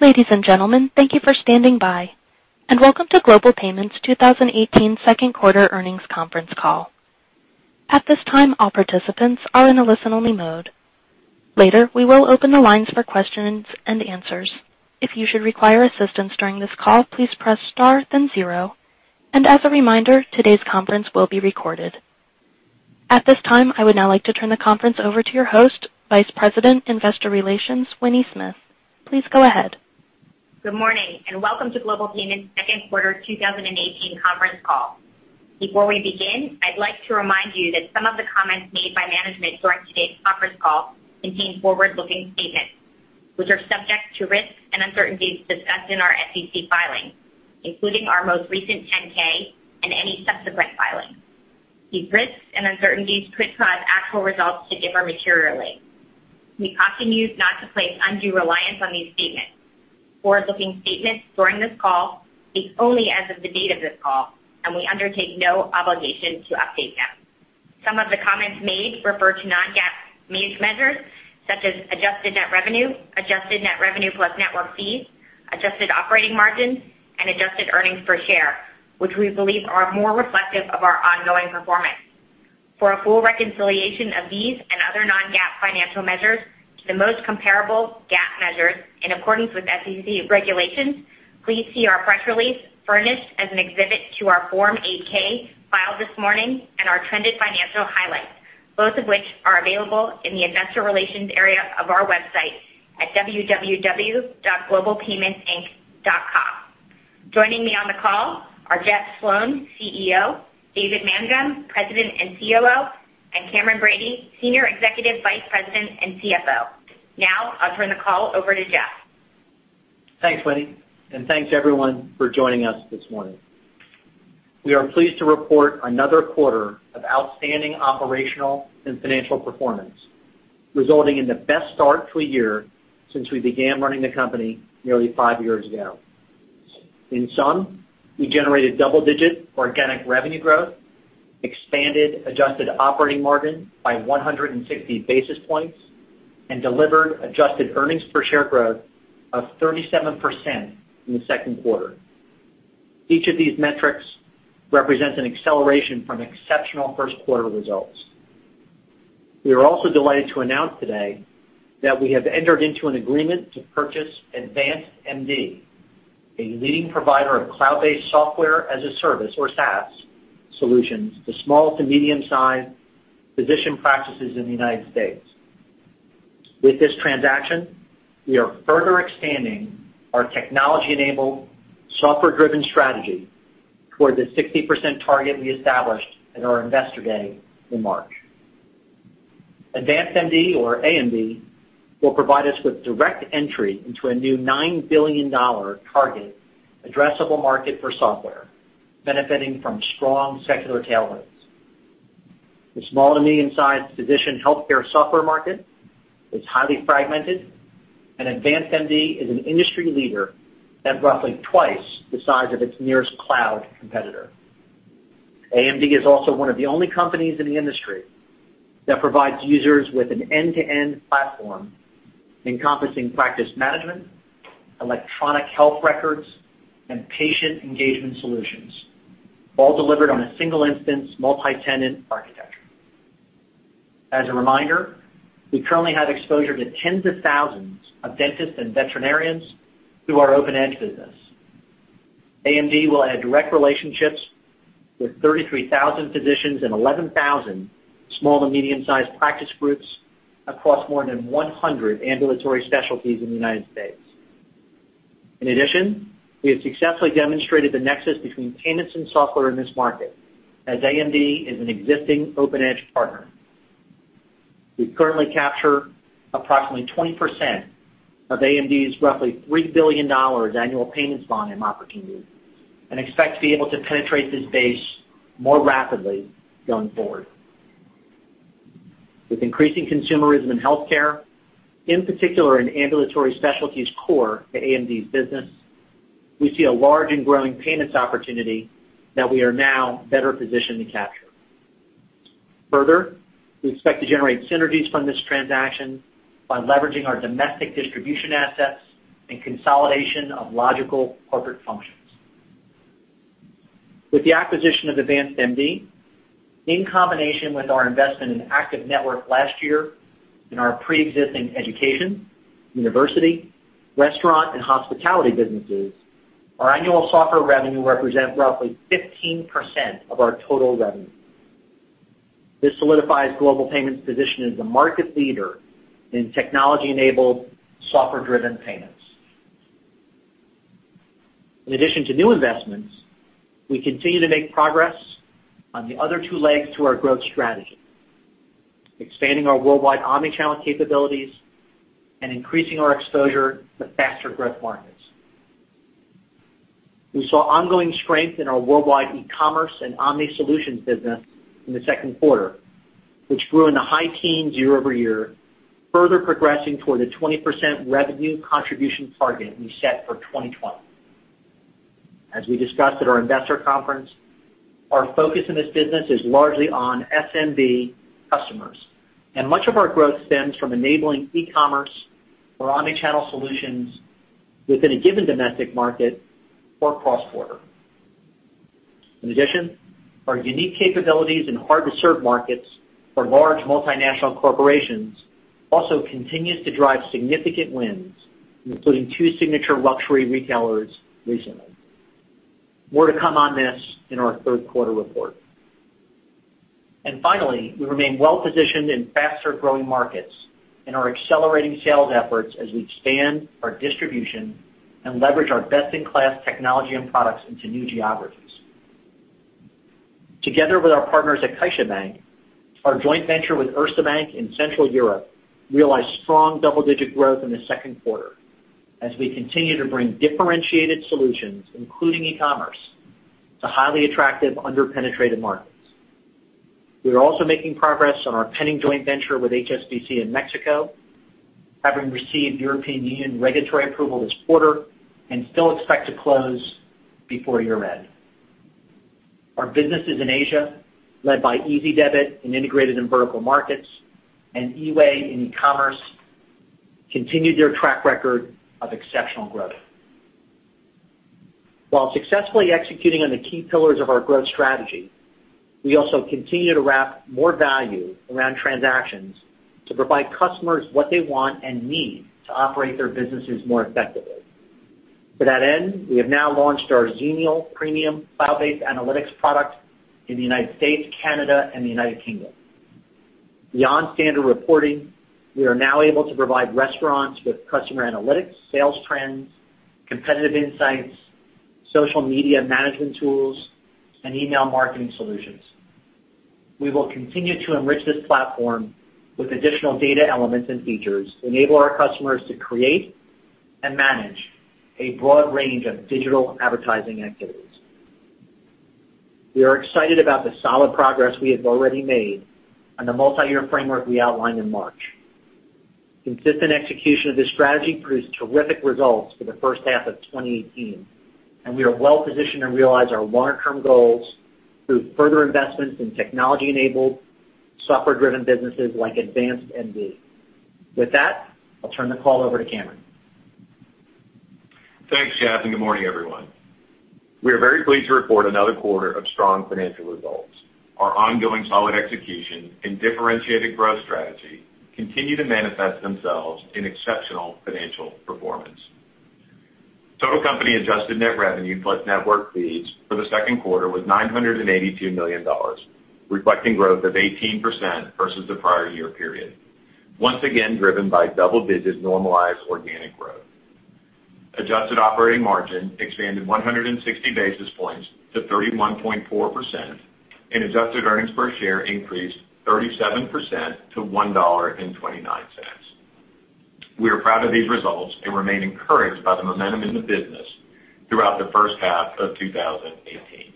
Ladies and gentlemen, thank you for standing by and welcome to Global Payments' 2018 second quarter earnings conference call. At this time, all participants are in a listen-only mode. Later, we will open the lines for questions and answers. If you should require assistance during this call, please press star then zero, and as a reminder, today's conference will be recorded. At this time, I would now like to turn the conference over to your host, Vice President, Investor Relations, Winnie Smith. Please go ahead. Good morning, and welcome to Global Payments' second quarter 2018 conference call. Before we begin, I'd like to remind you that some of the comments made by management during today's conference call contain forward-looking statements, which are subject to risks and uncertainties discussed in our SEC filings, including our most recent 10-K and any subsequent filings. These risks and uncertainties could cause actual results to differ materially. We caution you not to place undue reliance on these statements. Forward-looking statements during this call speak only as of the date of this call, and we undertake no obligation to update them. Some of the comments made refer to non-GAAP measures such as adjusted net revenue, adjusted net revenue plus network fees, adjusted operating margins, and adjusted earnings per share, which we believe are more reflective of our ongoing performance. For a full reconciliation of these and other non-GAAP financial measures to the most comparable GAAP measures in accordance with SEC regulations, please see our press release furnished as an exhibit to our Form 8-K filed this morning and our trended financial highlights, both of which are available in the investor relations area of our website at www.globalpaymentsinc.com. Joining me on the call are Jeff Sloan, CEO, David Mangum, President and COO, and Cameron Bready, Senior Executive Vice President and CFO. Now, I'll turn the call over to Jeff. Thanks, Winnie, and thanks everyone for joining us this morning. We are pleased to report another quarter of outstanding operational and financial performance, resulting in the best start to a year since we began running the company nearly five years ago. In sum, we generated double-digit organic revenue growth, expanded adjusted operating margin by 160 basis points, and delivered adjusted earnings per share growth of 37% in the second quarter. Each of these metrics represents an acceleration from exceptional first-quarter results. We are also delighted to announce today that we have entered into an agreement to purchase AdvancedMD, a leading provider of cloud-based software-as-a-service, or SaaS, solutions to small to medium-sized physician practices in the U.S. With this transaction, we are further expanding our technology-enabled, software-driven strategy toward the 60% target we established at our Investor Day in March. AdvancedMD, or AMD, will provide us with direct entry into a new $9 billion target addressable market for software, benefiting from strong secular tailwinds. The small to medium-sized physician healthcare software market is highly fragmented, and AdvancedMD is an industry leader at roughly twice the size of its nearest cloud competitor. AMD is also one of the only companies in the industry that provides users with an end-to-end platform encompassing practice management, electronic health records, and patient engagement solutions, all delivered on a single-instance, multi-tenant architecture. As a reminder, we currently have exposure to tens of thousands of dentists and veterinarians through our OpenEdge business. AMD will add direct relationships with 33,000 physicians and 11,000 small to medium-sized practice groups across more than 100 ambulatory specialties in the United States. We have successfully demonstrated the nexus between payments and software in this market, as AMD is an existing OpenEdge partner. We currently capture approximately 20% of AMD's roughly $3 billion annual payments volume opportunity and expect to be able to penetrate this base more rapidly going forward. With increasing consumerism in healthcare, in particular in ambulatory specialties core to AMD's business, we see a large and growing payments opportunity that we are now better positioned to capture. We expect to generate synergies from this transaction by leveraging our domestic distribution assets and consolidation of logical corporate functions. With the acquisition of AdvancedMD, in combination with our investment in ACTIVE Network last year and our preexisting education, university, restaurant, and hospitality businesses, our annual software revenue represent roughly 15% of our total revenue. This solidifies Global Payments' position as the market leader in technology-enabled, software-driven payments. We continue to make progress on the other two legs to our growth strategy, expanding our worldwide omni-channel capabilities and increasing our exposure to faster growth markets. We saw ongoing strength in our worldwide e-commerce and omni-solutions business in the second quarter, which grew in the high teens year-over-year, further progressing toward the 20% revenue contribution target we set for 2020. As we discussed at our Investor Day, our focus in this business is largely on SMB customers, and much of our growth stems from enabling e-commerce or omni-channel solutions within a given domestic market or cross-border. Our unique capabilities in hard-to-serve markets for large multinational corporations also continues to drive significant wins, including two signature luxury retailers recently. More to come on this in our third quarter report. We remain well-positioned in faster-growing markets and are accelerating sales efforts as we expand our distribution and leverage our best-in-class technology and products into new geographies. Together with our partners at CaixaBank, our joint venture with Erste Bank in Central Europe realized strong double-digit growth in the second quarter as we continue to bring differentiated solutions, including e-commerce, to highly attractive, under-penetrated markets. We are also making progress on our pending joint venture with HSBC in Mexico, having received European Union regulatory approval this quarter and still expect to close before year-end. Our businesses in Asia, led by Ezidebit in integrated and vertical markets and eWAY in e-commerce, continued their track record of exceptional growth. While successfully executing on the key pillars of our growth strategy, we also continue to wrap more value around transactions to provide customers what they want and need to operate their businesses more effectively. To that end, we have now launched our Xenial premium cloud-based analytics product in the U.S., Canada, and the U.K. Beyond standard reporting, we are now able to provide restaurants with customer analytics, sales trends, competitive insights, social media management tools, and email marketing solutions. We will continue to enrich this platform with additional data elements and features to enable our customers to create and manage a broad range of digital advertising activities. We are excited about the solid progress we have already made on the multi-year framework we outlined in March. Consistent execution of this strategy produced terrific results for the first half of 2018, we are well positioned to realize our longer-term goals through further investments in technology-enabled, software-driven businesses like AdvancedMD. With that, I'll turn the call over to Cameron. Thanks, Jeff, good morning, everyone. We are very pleased to report another quarter of strong financial results. Our ongoing solid execution and differentiated growth strategy continue to manifest themselves in exceptional financial performance. Total company adjusted net revenue plus network fees for the second quarter was $982 million, reflecting growth of 18% versus the prior year period, once again driven by double-digit normalized organic growth. Adjusted operating margin expanded 160 basis points to 31.4%, and adjusted earnings per share increased 37% to $1.29. We are proud of these results and remain encouraged by the momentum in the business throughout the first half of 2018.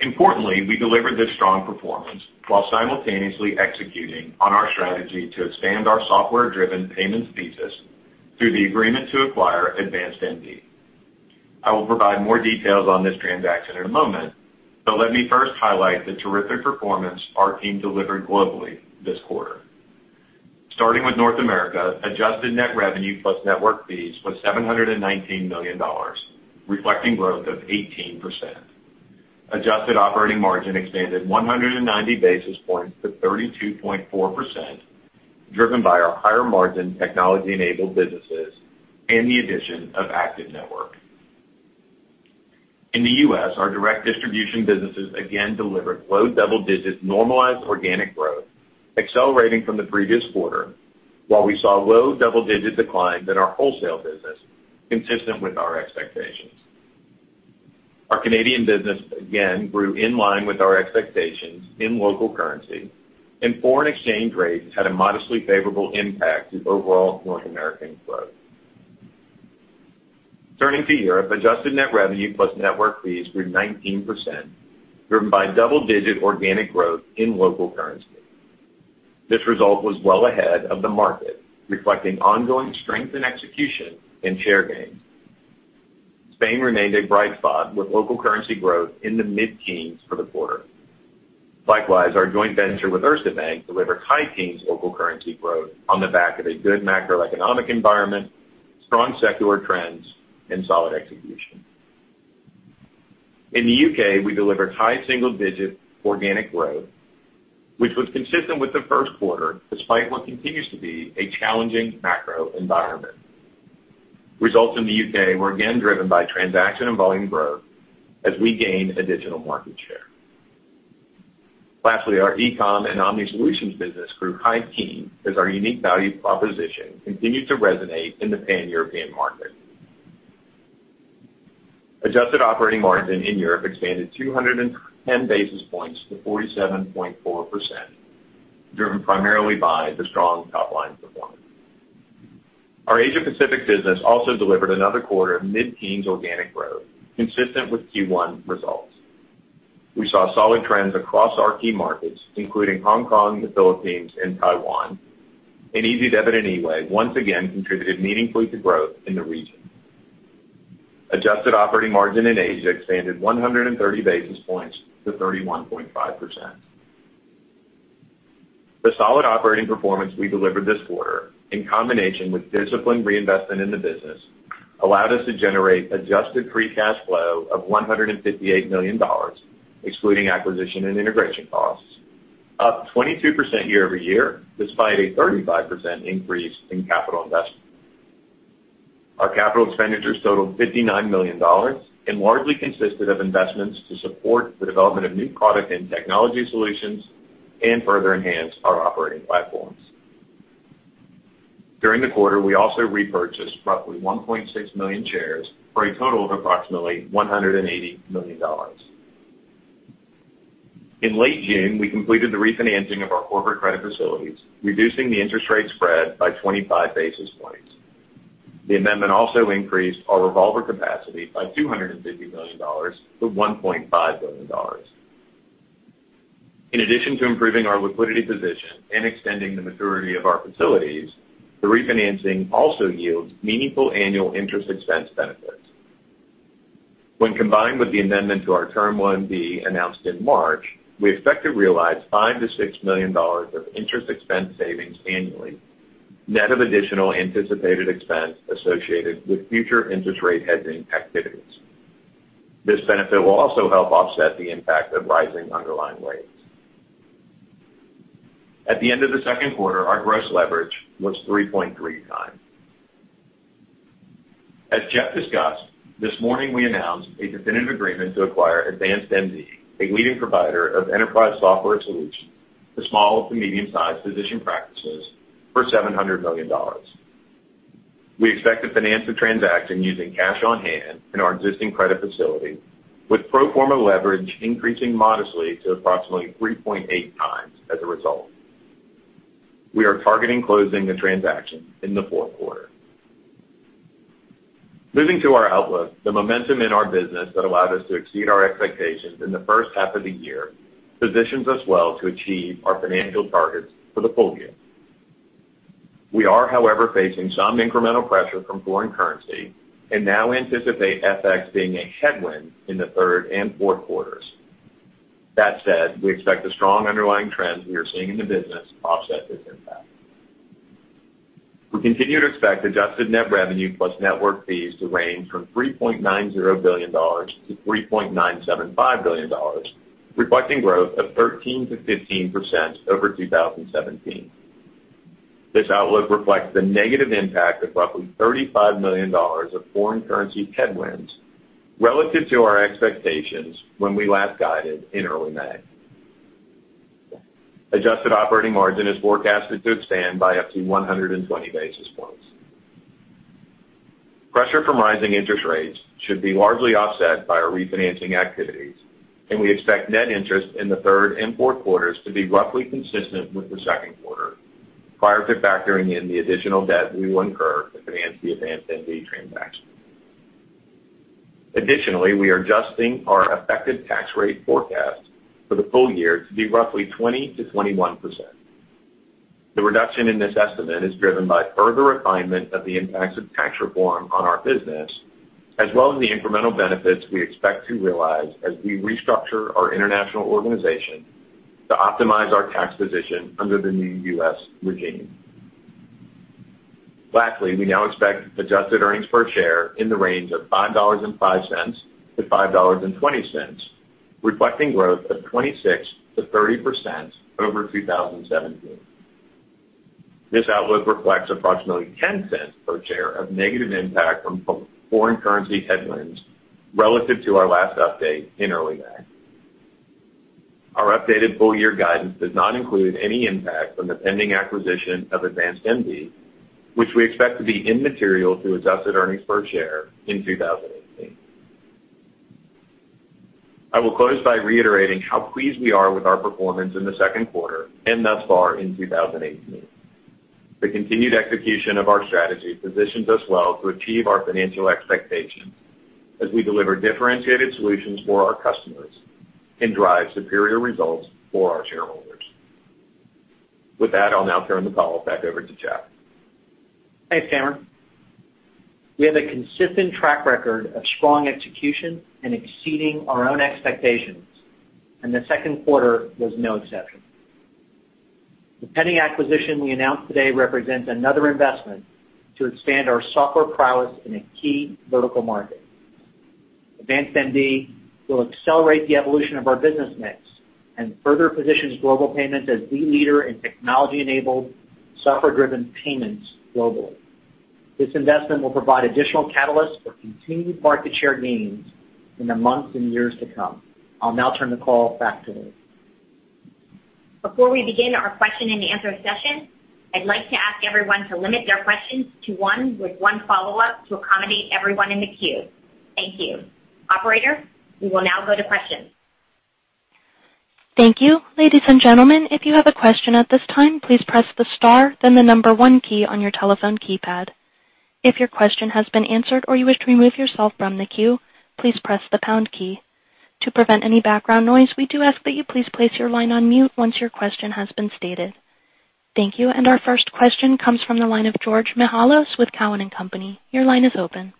Importantly, we delivered this strong performance while simultaneously executing on our strategy to expand our software-driven payments thesis through the agreement to acquire AdvancedMD. I will provide more details on this transaction in a moment, let me first highlight the terrific performance our team delivered globally this quarter. Starting with North America, adjusted net revenue plus network fees was $719 million, reflecting growth of 18%. Adjusted operating margin expanded 190 basis points to 32.4%, driven by our higher-margin technology-enabled businesses and the addition of ACTIVE Network. In the U.S., our direct distribution businesses again delivered low double-digit normalized organic growth, accelerating from the previous quarter, while we saw low double-digit decline in our wholesale business, consistent with our expectations. Our Canadian business again grew in line with our expectations in local currency, foreign exchange rates had a modestly favorable impact to overall North American growth. Turning to Europe, adjusted net revenue plus network fees grew 19%, driven by double-digit organic growth in local currency. This result was well ahead of the market, reflecting ongoing strength in execution and share gains. Spain remained a bright spot, with local currency growth in the mid-teens for the quarter. Likewise, our joint venture with Erste Bank delivered high teens local currency growth on the back of a good macroeconomic environment, strong secular trends, and solid execution. In the U.K., we delivered high single-digit organic growth, which was consistent with the first quarter, despite what continues to be a challenging macro environment. Results in the U.K. were again driven by transaction and volume growth as we gain additional market share. Lastly, our e-com and omni-solutions business grew high teens as our unique value proposition continued to resonate in the pan-European market. Adjusted operating margin in Europe expanded 210 basis points to 47.4%, driven primarily by the strong top-line performance. Our Asia-Pacific business also delivered another quarter of mid-teens organic growth, consistent with Q1 results. We saw solid trends across our key markets, including Hong Kong, the Philippines, and Taiwan, and Ezidebit and eWAY once again contributed meaningfully to growth in the region. Adjusted operating margin in Asia expanded 130 basis points to 31.5%. The solid operating performance we delivered this quarter, in combination with disciplined reinvestment in the business, allowed us to generate adjusted free cash flow of $158 million, excluding acquisition and integration costs, up 22% year-over-year despite a 35% increase in capital investment. Our capital expenditures totaled $59 million and largely consisted of investments to support the development of new product and technology solutions and further enhance our operating platforms. During the quarter, we also repurchased roughly 1.6 million shares for a total of approximately $180 million. In late June, we completed the refinancing of our corporate credit facilities, reducing the interest rate spread by 25 basis points. The amendment also increased our revolver capacity by $250 million to $1.5 billion. In addition to improving our liquidity position and extending the maturity of our facilities, the refinancing also yields meaningful annual interest expense benefits. When combined with the amendment to our Term Loan B announced in March, we expect to realize $5 million-$6 million of interest expense savings annually, net of additional anticipated expense associated with future interest rate hedging activities. This benefit will also help offset the impact of rising underlying rates. At the end of the second quarter, our gross leverage was 3.3 times. As Jeff discussed, this morning we announced a definitive agreement to acquire AdvancedMD, a leading provider of enterprise software solutions for small- to medium-sized physician practices, for $700 million. We expect to finance the transaction using cash on hand and our existing credit facility, with pro forma leverage increasing modestly to approximately 3.8 times as a result. We are targeting closing the transaction in the fourth quarter. Moving to our outlook, the momentum in our business that allowed us to exceed our expectations in the first half of the year positions us well to achieve our financial targets for the full year. We are, however, facing some incremental pressure from foreign currency and now anticipate FX being a headwind in the third and fourth quarters. That said, we expect the strong underlying trends we are seeing in the business to offset this impact. We continue to expect adjusted net revenue plus network fees to range from $3.90 billion-$3.975 billion, reflecting growth of 13%-15% over 2017. This outlook reflects the negative impact of roughly $35 million of foreign currency headwinds relative to our expectations when we last guided in early May. Adjusted operating margin is forecasted to expand by up to 120 basis points. Pressure from rising interest rates should be largely offset by our refinancing activities, and we expect net interest in the third and fourth quarters to be roughly consistent with the second quarter, prior to factoring in the additional debt we will incur to finance the AdvancedMD transaction. Additionally, we are adjusting our effective tax rate forecast for the full year to be roughly 20%-21%. The reduction in this estimate is driven by further refinement of the impacts of tax reform on our business, as well as the incremental benefits we expect to realize as we restructure our international organization to optimize our tax position under the new U.S. regime. Lastly, we now expect adjusted earnings per share in the range of $5.05-$5.20, reflecting growth of 26%-30% over 2017. This outlook reflects approximately $0.10 per share of negative impact from foreign currency headwinds relative to our last update in early May. Our updated full-year guidance does not include any impact from the pending acquisition of AdvancedMD, which we expect to be immaterial to adjusted earnings per share in 2018. I will close by reiterating how pleased we are with our performance in the second quarter and thus far in 2018. The continued execution of our strategy positions us well to achieve our financial expectations as we deliver differentiated solutions for our customers and drive superior results for our shareholders. With that, I'll now turn the call back over to Jeff. Thanks, Cameron. We have a consistent track record of strong execution and exceeding our own expectations, and the second quarter was no exception. The pending acquisition we announced today represents another investment to expand our software prowess in a key vertical market. AdvancedMD will accelerate the evolution of our business mix and further positions Global Payments as the leader in technology-enabled, software-driven payments globally. This investment will provide additional catalysts for continued market share gains in the months and years to come. I'll now turn the call back to Winnie. Before we begin our question-and-answer session, I'd like to ask everyone to limit their questions to one with one follow-up to accommodate everyone in the queue. Thank you. Operator, we will now go to questions. Thank you. Ladies and gentlemen, if you have a question at this time, please press the star, then the number one key on your telephone keypad. If your question has been answered or you wish to remove yourself from the queue, please press the pound key. To prevent any background noise, we do ask that you please place your line on mute once your question has been stated. Thank you. Our first question comes from the line of Georgios Mihalos with Cowen and Company. Your line is open.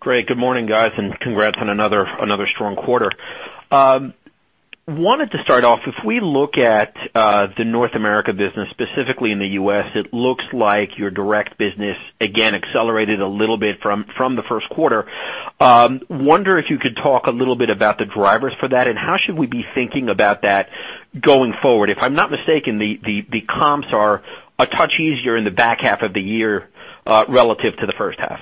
Great. Good morning, guys, congrats on another strong quarter. Wanted to start off, if we look at the North America business, specifically in the U.S., it looks like your direct business again accelerated a little bit from the first quarter. Wonder if you could talk a little bit about the drivers for that and how should we be thinking about that going forward? If I'm not mistaken, the comps are a touch easier in the back half of the year, relative to the first half.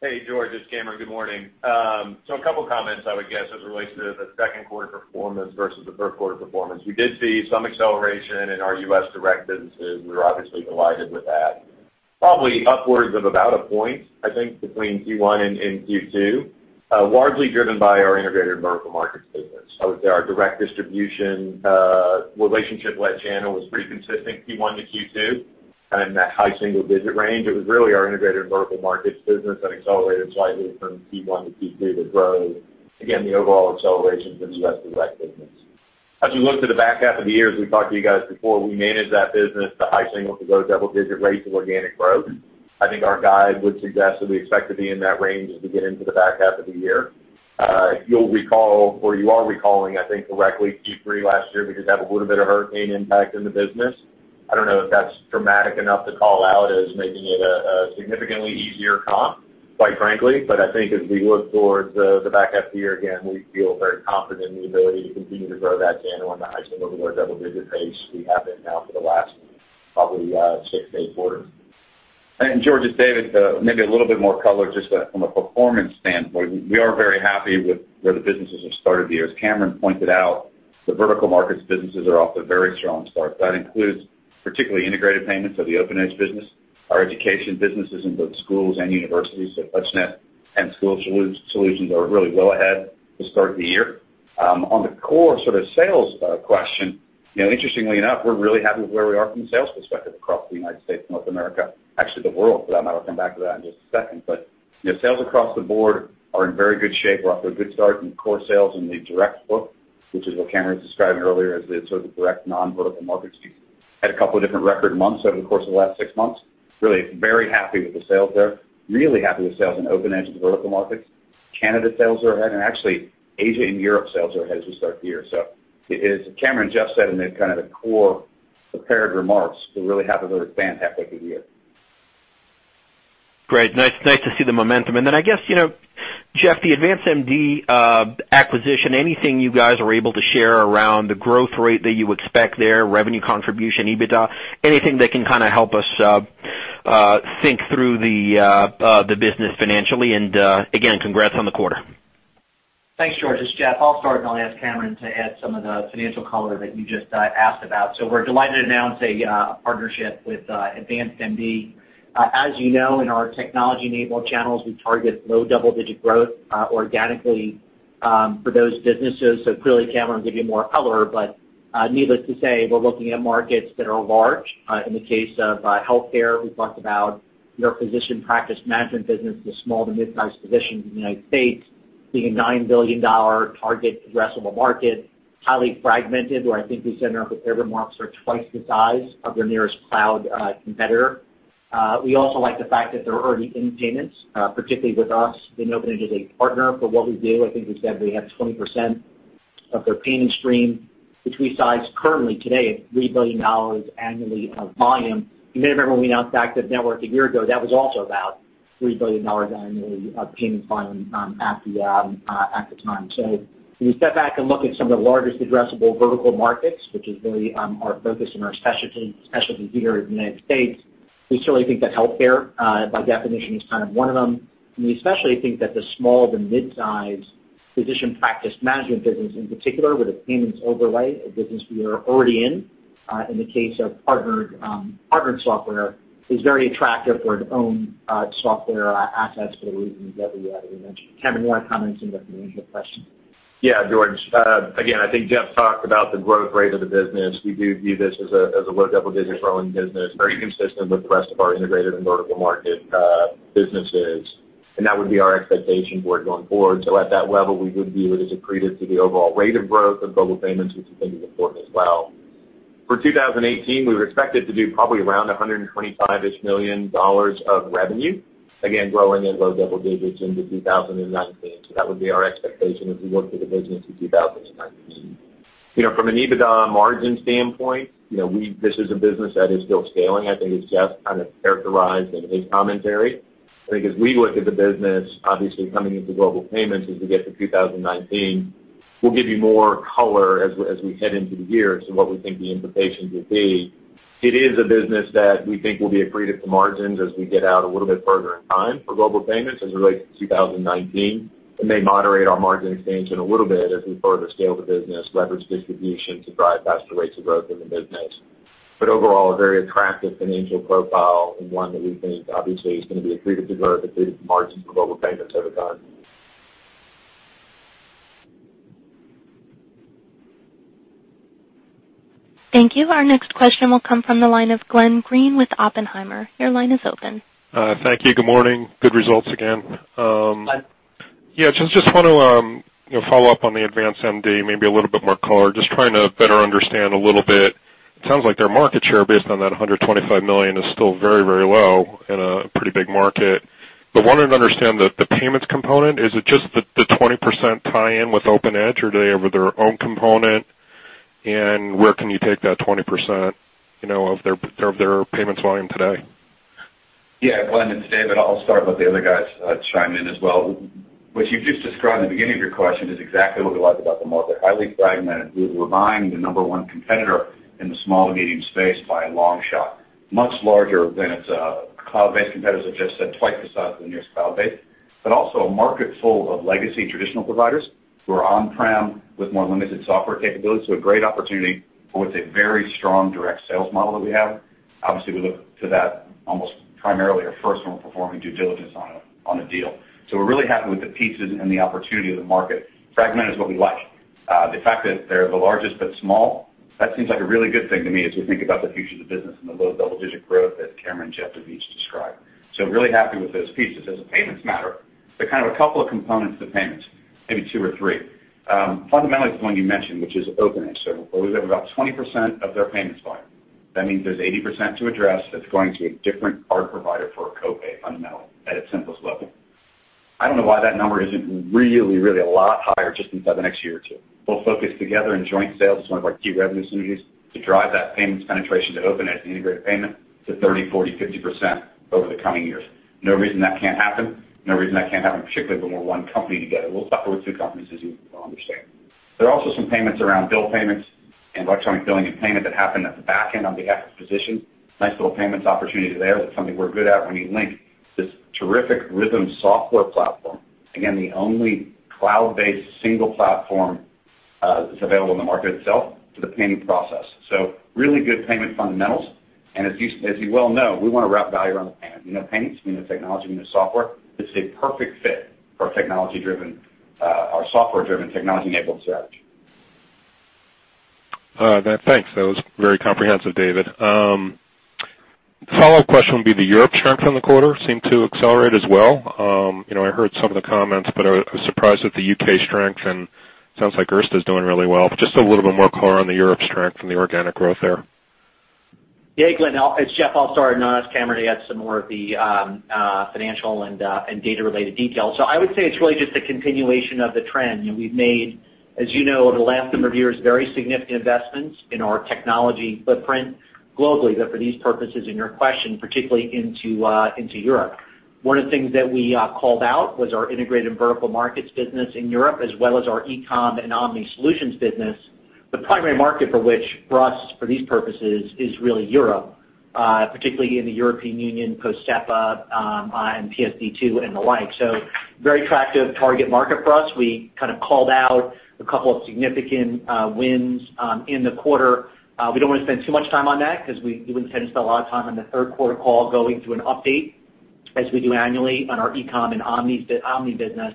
Hey, George, it's Cameron. Good morning. A couple comments, I would guess, as it relates to the second quarter performance versus the first quarter performance. We did see some acceleration in our U.S. direct businesses. We were obviously delighted with that. Probably upwards of about a point, I think, between Q1 and Q2, largely driven by our integrated vertical markets business. I would say our direct distribution, relationship-led channel was pretty consistent, Q1 to Q2, in that high single-digit range. It was really our integrated vertical markets business that accelerated slightly from Q1 to Q2, the growth. Again, the overall acceleration's in U.S. direct business. As we look to the back half of the year, as we've talked to you guys before, we manage that business to high single to low double-digit rates of organic growth. I think our guide would suggest that we expect to be in that range as we get into the back half of the year. If you'll recall or you are recalling, I think, correctly, Q3 last year we did have a little bit of hurricane impact in the business. I don't know if that's dramatic enough to call out as making it a significantly easier comp, quite frankly. I think as we look towards the back half of the year, again, we feel very confident in the ability to continue to grow that channel on the high single to low double-digit pace we have been now for the last probably six, eight quarters. George, it's David. Maybe a little bit more color just from a performance standpoint. We are very happy with where the businesses have started the year. As Cameron pointed out, the vertical markets businesses are off to a very strong start. That includes particularly integrated payments or the OpenEdge business. Our education businesses in both schools and universities, so TouchNet and School Solutions are really well ahead to start the year. On the core sort of sales question, interestingly enough, we're really happy with where we are from a sales perspective across the U.S., North America, actually the world for that matter. I'll come back to that in just a second. Sales across the board are in very good shape. We're off to a good start in core sales in the direct book, which is what Cameron was describing earlier as the sort of direct non-vertical markets piece. Had a couple of different record months over the course of the last 6 months. Really very happy with the sales there. Really happy with sales in OpenEdge and vertical markets. Canada sales are ahead, actually Asia and Europe sales are ahead to start the year. As Cameron just said in the kind of core prepared remarks, we're really happy with our fantastic year. Great. Nice to see the momentum. I guess, Jeff, the AdvancedMD acquisition, anything you guys are able to share around the growth rate that you expect there, revenue contribution, EBITDA? Anything that can kind of help us think through the business financially and, again, congrats on the quarter. Thanks, George. It's Jeff. I'll start and I'll ask Cameron to add some of the financial color that you just asked about. We're delighted to announce a partnership with AdvancedMD. As you know, in our technology-enabled channels, we target low double-digit growth organically for those businesses. Clearly Cameron will give you more color, needless to say, we're looking at markets that are large. In the case of healthcare, we talked about their physician practice management business to small to midsize physicians in the U.S. being a $9 billion target addressable market. Highly fragmented, where I think we said in our prepared remarks we're twice the size of their nearest cloud competitor. We also like the fact that they're already in payments, particularly with us being OpenEdge as a partner for what we do. I think we said we have 20% of their payment stream, which we size currently today at $3 billion annually of volume. You may remember when we announced ACTIVE Network a year ago, that was also about $3 billion annually of payment volume at the time. When you step back and look at some of the largest addressable vertical markets, which is really our focus and our specialty here in the U.S., we certainly think that healthcare by definition is kind of one of them. We especially think that the small to midsize physician practice management business in particular with a payments overlay, a business we are already in the case of partnered software, is very attractive for the own software assets for the reasons that we already mentioned. Cameron, you want to comment on the financial question? Yeah, George. Again, I think Jeff talked about the growth rate of the business. We do view this as a low double-digit growing business, very consistent with the rest of our integrated and vertical market businesses. That would be our expectation for it going forward. At that level, we would view it as accretive to the overall rate of growth of Global Payments, which is something important as well. For 2018, we were expected to do probably around $125-ish million of revenue, again growing at low double digits into 2019. That would be our expectation as we look to the business in 2019. From an EBITDA margin standpoint, this is a business that is still scaling. I think as Jeff kind of characterized in his commentary. I think as we look at the business, obviously coming into Global Payments as we get to 2019, we'll give you more color as we head into the year as to what we think the implications would be. It is a business that we think will be accretive to margins as we get out a little bit further in time for Global Payments as it relates to 2019. It may moderate our margin expansion a little bit as we further scale the business, leverage distribution to drive faster rates of growth in the business. Overall, a very attractive financial profile and one that we think obviously is going to be accretive to growth, accretive to margins for Global Payments over time. Thank you. Our next question will come from the line of Glenn Greene with Oppenheimer. Your line is open. Thank you. Good morning. Good results again. Glenn. Yeah. Just want to follow up on the AdvancedMD, maybe a little bit more color. Just trying to better understand a little bit. It sounds like their market share based on that $125 million is still very low in a pretty big market. Wanted to understand the payments component. Is it just the 20% tie-in with OpenEdge or do they have their own component? Where can you take that 20% of their payments volume today? Yeah, Glenn, it's David. I'll start, let the other guys chime in as well. What you've just described at the beginning of your question is exactly what we like about the market. Highly fragmented. We're buying the number one competitor in the small to medium space by a long shot, much larger than its cloud-based competitors, like Jeff said, twice the size of the nearest cloud base, a market full of legacy traditional providers who are on-prem with more limited software capabilities. A great opportunity with a very strong direct sales model that we have. Obviously, we look to that almost primarily or first when we're performing due diligence on a deal. We're really happy with the pieces and the opportunity of the market. Fragmented is what we like. The fact that they're the largest but small, that seems like a really good thing to me as we think about the future of the business and the low double-digit growth that Cameron and Jeff have each described. Really happy with those pieces. As a payments matter, there are kind of a couple of components to payments, maybe two or three. Fundamentally, the one you mentioned, which is OpenEdge. We have about 20% of their payments volume. That means there's 80% to address that's going to a different card provider for a co-pay unknown at its simplest level. I don't know why that number isn't really a lot higher just inside the next year or two. We'll focus together in joint sales as one of our key revenue synergies to drive that payments penetration to OpenEdge and integrated payment to 30%, 40%, 50% over the coming years. No reason that can't happen. No reason that can't happen, particularly when we're one company together. We'll talk about two companies as you well understand. There are also some payments around bill payments and electronic billing and payment that happen at the back end on behalf of physicians. Nice little payments opportunity there. That's something we're good at when you link this terrific Rhythm software platform. Again, the only cloud-based single platform that's available in the market itself to the payment process. Really good payment fundamentals. As you well know, we want to wrap value around the payment. We know payments, we know technology, we know software. It's a perfect fit for our software-driven technology-enabled strategy. Thanks. That was very comprehensive, David. Follow-up question would be the Europe strength in the quarter seemed to accelerate as well. I heard some of the comments, but I was surprised at the U.K. strength and sounds like Erste is doing really well. Just a little bit more color on the Europe strength and the organic growth there. Yeah, Glenn. It's Jeff. I'll start and I'll ask Cameron to add some more of the financial and data-related details. I would say it's really just a continuation of the trend. We've made, as you know, over the last number of years, very significant investments in our technology footprint globally, but for these purposes in your question, particularly into Europe. One of the things that we called out was our integrated vertical markets business in Europe as well as our eCom and Omni solutions business. The primary market for which for us for these purposes is really Europe, particularly in the European Union, post SEPA and PSD2 and the like. Very attractive target market for us. We kind of called out a couple of significant wins in the quarter. We don't want to spend too much time on that because we wouldn't tend to spend a lot of time on the third quarter call going through an update as we do annually on our eCom and Omni business.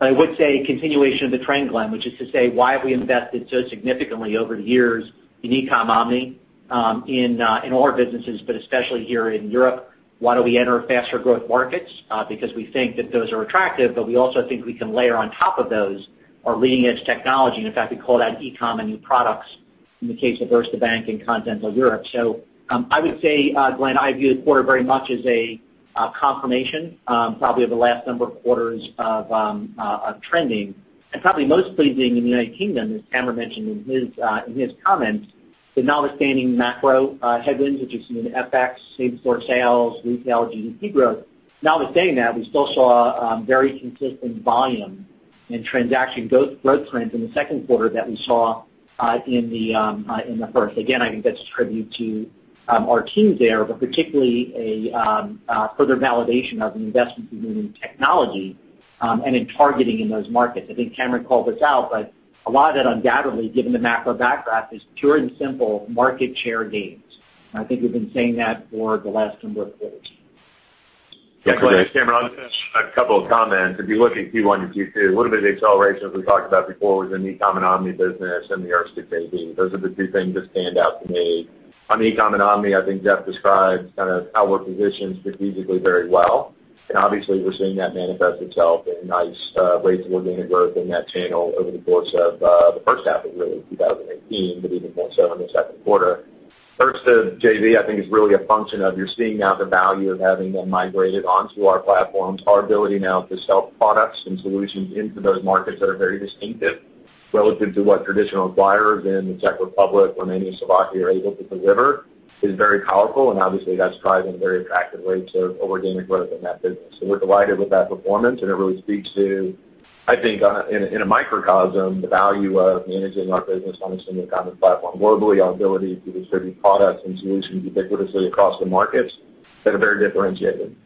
I would say continuation of the trend, Glenn, which is to say why have we invested so significantly over the years in eCom, Omni in our businesses, but especially here in Europe. Why do we enter faster growth markets? Because we think that those are attractive, but we also think we can layer on top of those our leading-edge technology, and in fact, we call that eCom and new products in the case of Erste Bank in continental Europe. I would say, Glenn, I view the quarter very much as a confirmation probably of the last number of quarters of trending and probably most pleasing in the United Kingdom, as Cameron mentioned in his comments, that notwithstanding macro headwinds, which we've seen in FX, same store sales, retail, GDP growth. Notwithstanding that, we still saw very consistent volume and transaction growth trends in the second quarter that we saw in the first. Again, I think that's a tribute to our team there, but particularly a further validation of an investment we made in technology and in targeting in those markets. I think Cameron called this out, but a lot of that undoubtedly given the macro backdrop is pure and simple market share gains. I think we've been saying that for the last number of quarters. Yeah, Glenn, it's Cameron. I'll just add a couple of comments. If you look at Q1 and Q2, a little bit of the acceleration, as we talked about before, was in the eCom and Omni business and the Erste JV. Those are the two things that stand out to me. On the eCom and Omni, I think Jeff described kind of how we're positioned strategically very well. Obviously we're seeing that manifest itself in nice rates of organic growth in that channel over the course of the first half of really 2018, but even more so in the second quarter. Erste JV I think is really a function of you're seeing now the value of having them migrated onto our platforms. Our ability now to sell products and solutions into those markets that are very distinctive relative to what traditional acquirers in the Czech Republic, Romania, Slovakia are able to deliver is very powerful and obviously that's driving very attractive rates of organic growth in that business. We're delighted with that performance and it really speaks to I think in a microcosm the value of managing our business on a single e-commerce platform globally. Our ability to distribute products and solutions ubiquitously across the markets that are very differentiated.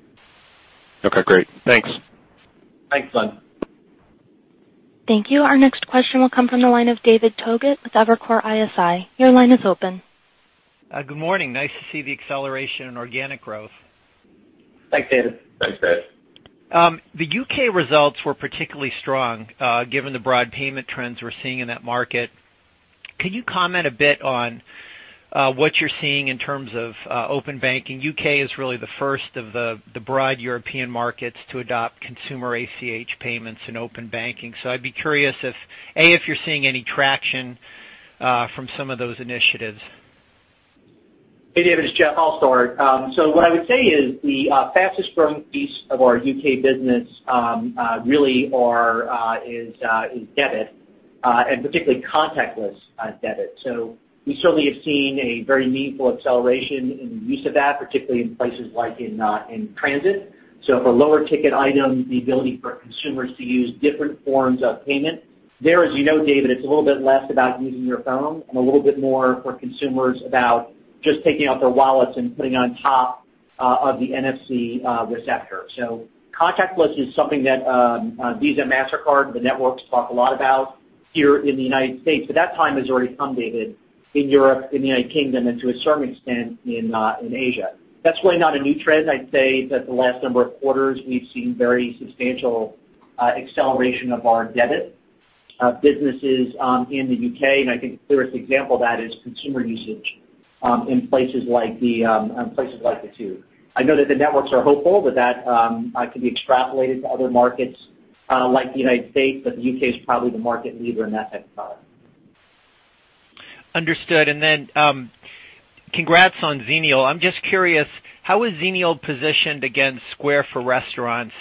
Okay, great. Thanks. Thanks, Glenn. Thank you. Our next question will come from the line of David Togut with Evercore ISI. Your line is open. Good morning. Nice to see the acceleration in organic growth. Thanks, David. Thanks, Dave. The U.K. results were particularly strong, given the broad payment trends we're seeing in that market. Could you comment a bit on what you're seeing in terms of open banking? U.K. is really the first of the broad European markets to adopt consumer ACH payments and open banking. I'd be curious, A, if you're seeing any traction from some of those initiatives. Hey, David, it's Jeff. I'll start. What I would say is the fastest growing piece of our U.K. business really is debit, and particularly contactless debit. We certainly have seen a very meaningful acceleration in the use of that, particularly in places like in transit. For lower ticket items, the ability for consumers to use different forms of payment. There, as you know, David, it's a little bit less about using your phone and a little bit more for consumers about just taking out their wallets and putting on top of the NFC receptor. Contactless is something that Visa, Mastercard, the networks talk a lot about here in the U.S., but that time has already come, David, in Europe, in the U.K., and to a certain extent in Asia. That's really not a new trend. I'd say that the last number of quarters we've seen very substantial acceleration of our debit businesses in the U.K., and I think the clearest example of that is consumer usage in places like the tube. I know that the networks are hopeful that that can be extrapolated to other markets like the U.S., the U.K. is probably the market leader in that technology. Understood. Congrats on Xenial. I'm just curious, how is Xenial positioned against Square for Restaurants,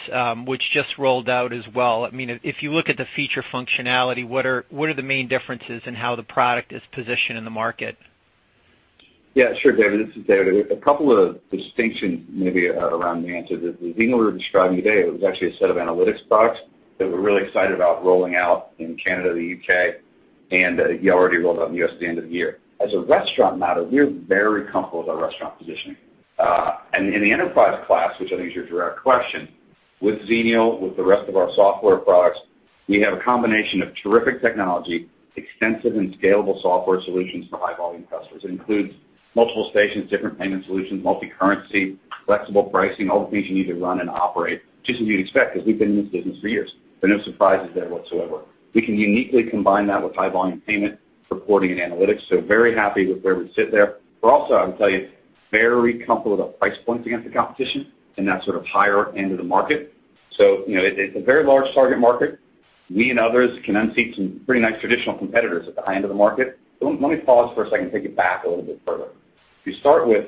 which just rolled out as well? If you look at the feature functionality, what are the main differences in how the product is positioned in the market? Yeah, sure, David, this is David. A couple of distinctions maybe around the answer. The Xenial we were describing today, it was actually a set of analytics products that we're really excited about rolling out in Canada, the U.K., and we already rolled out in the U.S. at the end of the year. As a restaurant matter, we're very comfortable with our restaurant positioning. In the enterprise class, which I think is your direct question, with Xenial, with the rest of our software products, we have a combination of terrific technology, extensive and scalable software solutions for high volume customers. It includes multiple stations, different payment solutions, multi-currency, flexible pricing, all the things you need to run and operate, just as you'd expect because we've been in this business for years. No surprises there whatsoever. We can uniquely combine that with high volume payment, reporting and analytics, very happy with where we sit there. We're also, I would tell you, very comfortable with our price points against the competition in that higher end of the market. It's a very large target market. We and others can unseat some pretty nice traditional competitors at the high end of the market. Let me pause for a second and take it back a little bit further. If you start with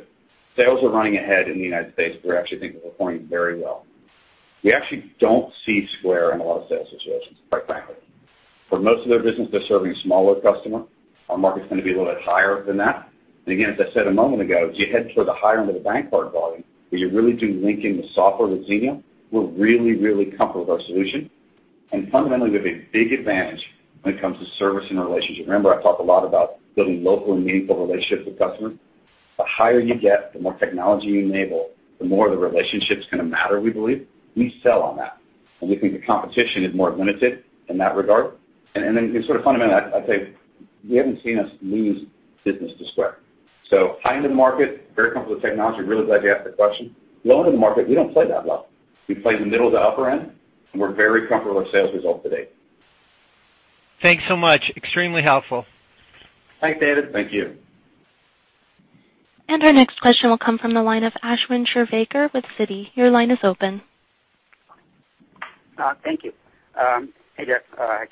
sales are running ahead in the U.S., we actually think we're performing very well. We actually don't see Square in a lot of sales situations, quite frankly. For most of their business, they're serving a smaller customer. Our market's going to be a little bit higher than that. Again, as I said a moment ago, as you head toward the higher end of the bank card volume where you really do link in the software with Xenial, we're really, really comfortable with our solution. Fundamentally, we have a big advantage when it comes to service and the relationship. Remember, I talk a lot about building local and meaningful relationships with customers. The higher you get, the more technology you enable, the more the relationship's going to matter, we believe. We sell on that, and we think the competition is more limited in that regard. Then sort of fundamentally, I'd say you haven't seen us lose business to Square. High-end market, very comfortable with technology. Really glad you asked the question. Low end of the market, we don't play that well. We play the middle to upper end, and we're very comfortable with our sales results to date. Thanks so much. Extremely helpful. Thanks, David. Thank you. Our next question will come from the line of Ashwin Shirvaikar with Citi. Your line is open. Thank you. Hey, Jeff. Hi,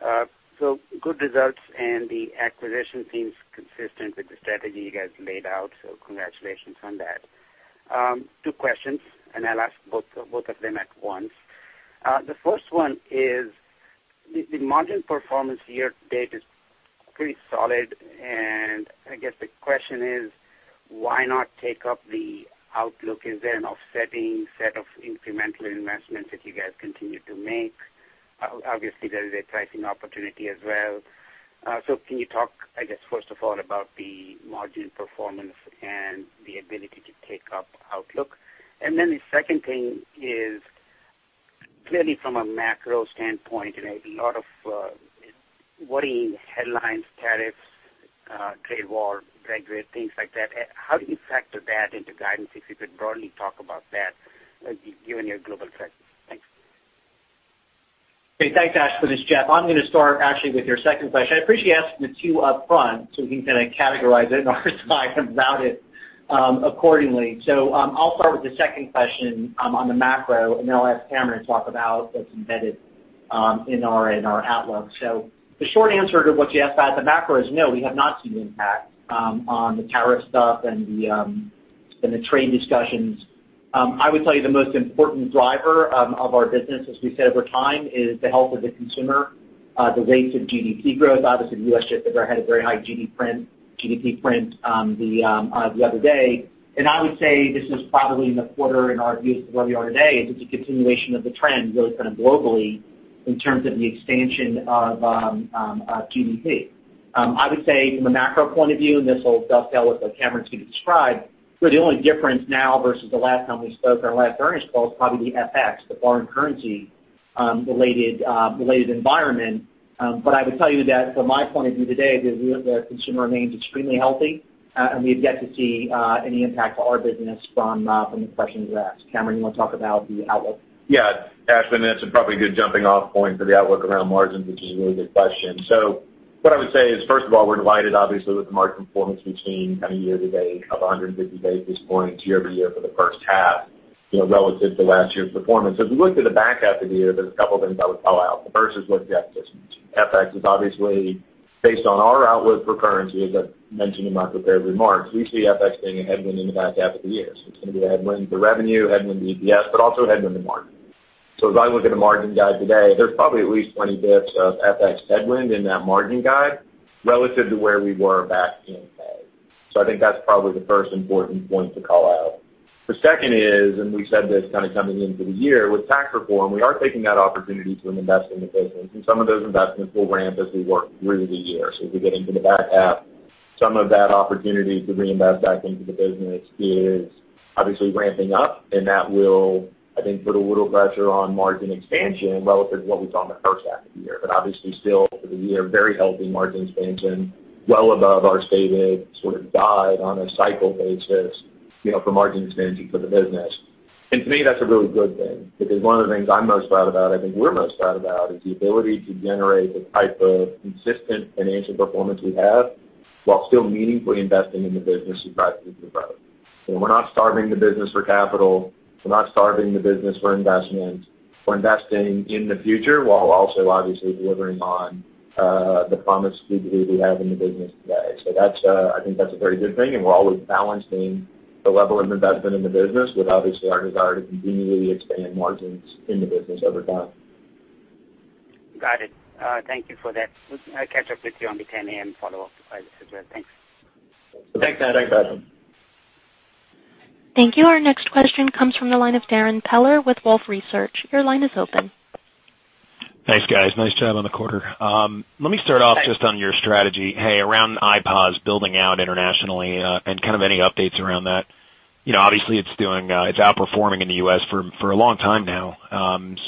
Cameron, David. Good results and the acquisition seems consistent with the strategy you guys laid out, congratulations on that. Two questions, I'll ask both of them at once. The first one is the margin performance year-to-date is pretty solid, and I guess the question is why not take up the outlook? Is there an offsetting set of incremental investments that you guys continue to make? Obviously, there is a pricing opportunity as well. Can you talk, I guess, first of all about the margin performance and the ability to take up outlook? Then the second thing is clearly from a macro standpoint, there are a lot of worrying headlines, tariffs, trade war, regulatory, things like that. How do you factor that into guidance? If you could broadly talk about that given your global presence. Thanks. Hey, thanks, Ashwin. It's Jeff. I'm going to start actually with your second question. I appreciate you asking the two upfront so we can kind of categorize it in our time about it accordingly. I'll start with the second question on the macro, then I'll ask Cameron to talk about what's embedded in our outlook. The short answer to what you asked about the macro is no, we have not seen impact on the tariff stuff and the trade discussions. I would tell you the most important driver of our business, as we've said over time, is the health of the consumer, the rates of GDP growth. Obviously, the U.S. just had a very high GDP print the other day. I would say this is probably in the quarter in our view as to where we are today is it's a continuation of the trend really globally in terms of the expansion of GDP. I would say from a macro point of view, and this will dovetail with what Cameron Bready described, where the only difference now versus the last time we spoke, our last earnings call, is probably the FX, the foreign currency-related environment. I would tell you that from my point of view today, the consumer remains extremely healthy, and we've yet to see any impact to our business from the questions you asked. Cameron, you want to talk about the outlook? Yeah. Ashwin, that's probably a good jumping-off point for the outlook around margins, which is a really good question. What I would say is, first of all, we're delighted obviously with the margin performance we've seen year-to-date of 150 basis points year-over-year for the first half, relative to last year's performance. If you looked at the back half of the year, there's a couple things I would call out. The first is what Jeff just mentioned. FX is obviously based on our outlook for currency, as I mentioned in my prepared remarks. We see FX being a headwind in the back half of the year. It's going to be a headwind to revenue, a headwind to EPS, but also a headwind to margin. As I look at the margin guide today, there's probably at least 20 basis points of FX headwind in that margin guide relative to where we were back in May. I think that's probably the first important point to call out. The second is, and we've said this coming into the year, with tax reform, we are taking that opportunity to invest in the business, and some of those investments will ramp as we work through the year. As we get into the back half, some of that opportunity to reinvest back into the business is obviously ramping up, and that will, I think, put a little pressure on margin expansion relative to what we saw in the first half of the year. Obviously still for the year, very healthy margin expansion, well above our stated guide on a cycle basis, for margin expansion for the business. To me, that's a really good thing because one of the things I'm most proud about, I think we're most proud about, is the ability to generate the type of consistent financial performance we have while still meaningfully investing in the business as rapidly as we grow. We're not starving the business for capital. We're not starving the business for investment. We're investing in the future while also obviously delivering on the promise we believe we have in the business today. I think that's a very good thing, and we're always balancing the level of investment in the business with obviously our desire to continually expand margins in the business over time. Got it. Thank you for that. I'll catch up with you on the 10:00 A.M. follow-up as well. Thanks. Thanks, Ashwin. Thanks, Ashwin. Thank you. Our next question comes from the line of Darrin Peller with Wolfe Research. Your line is open. Thanks, guys. Nice job on the quarter. Let me start off just on your strategy, around iPOS building out internationally, and kind of any updates around that. Obviously it's outperforming in the U.S. for a long time now.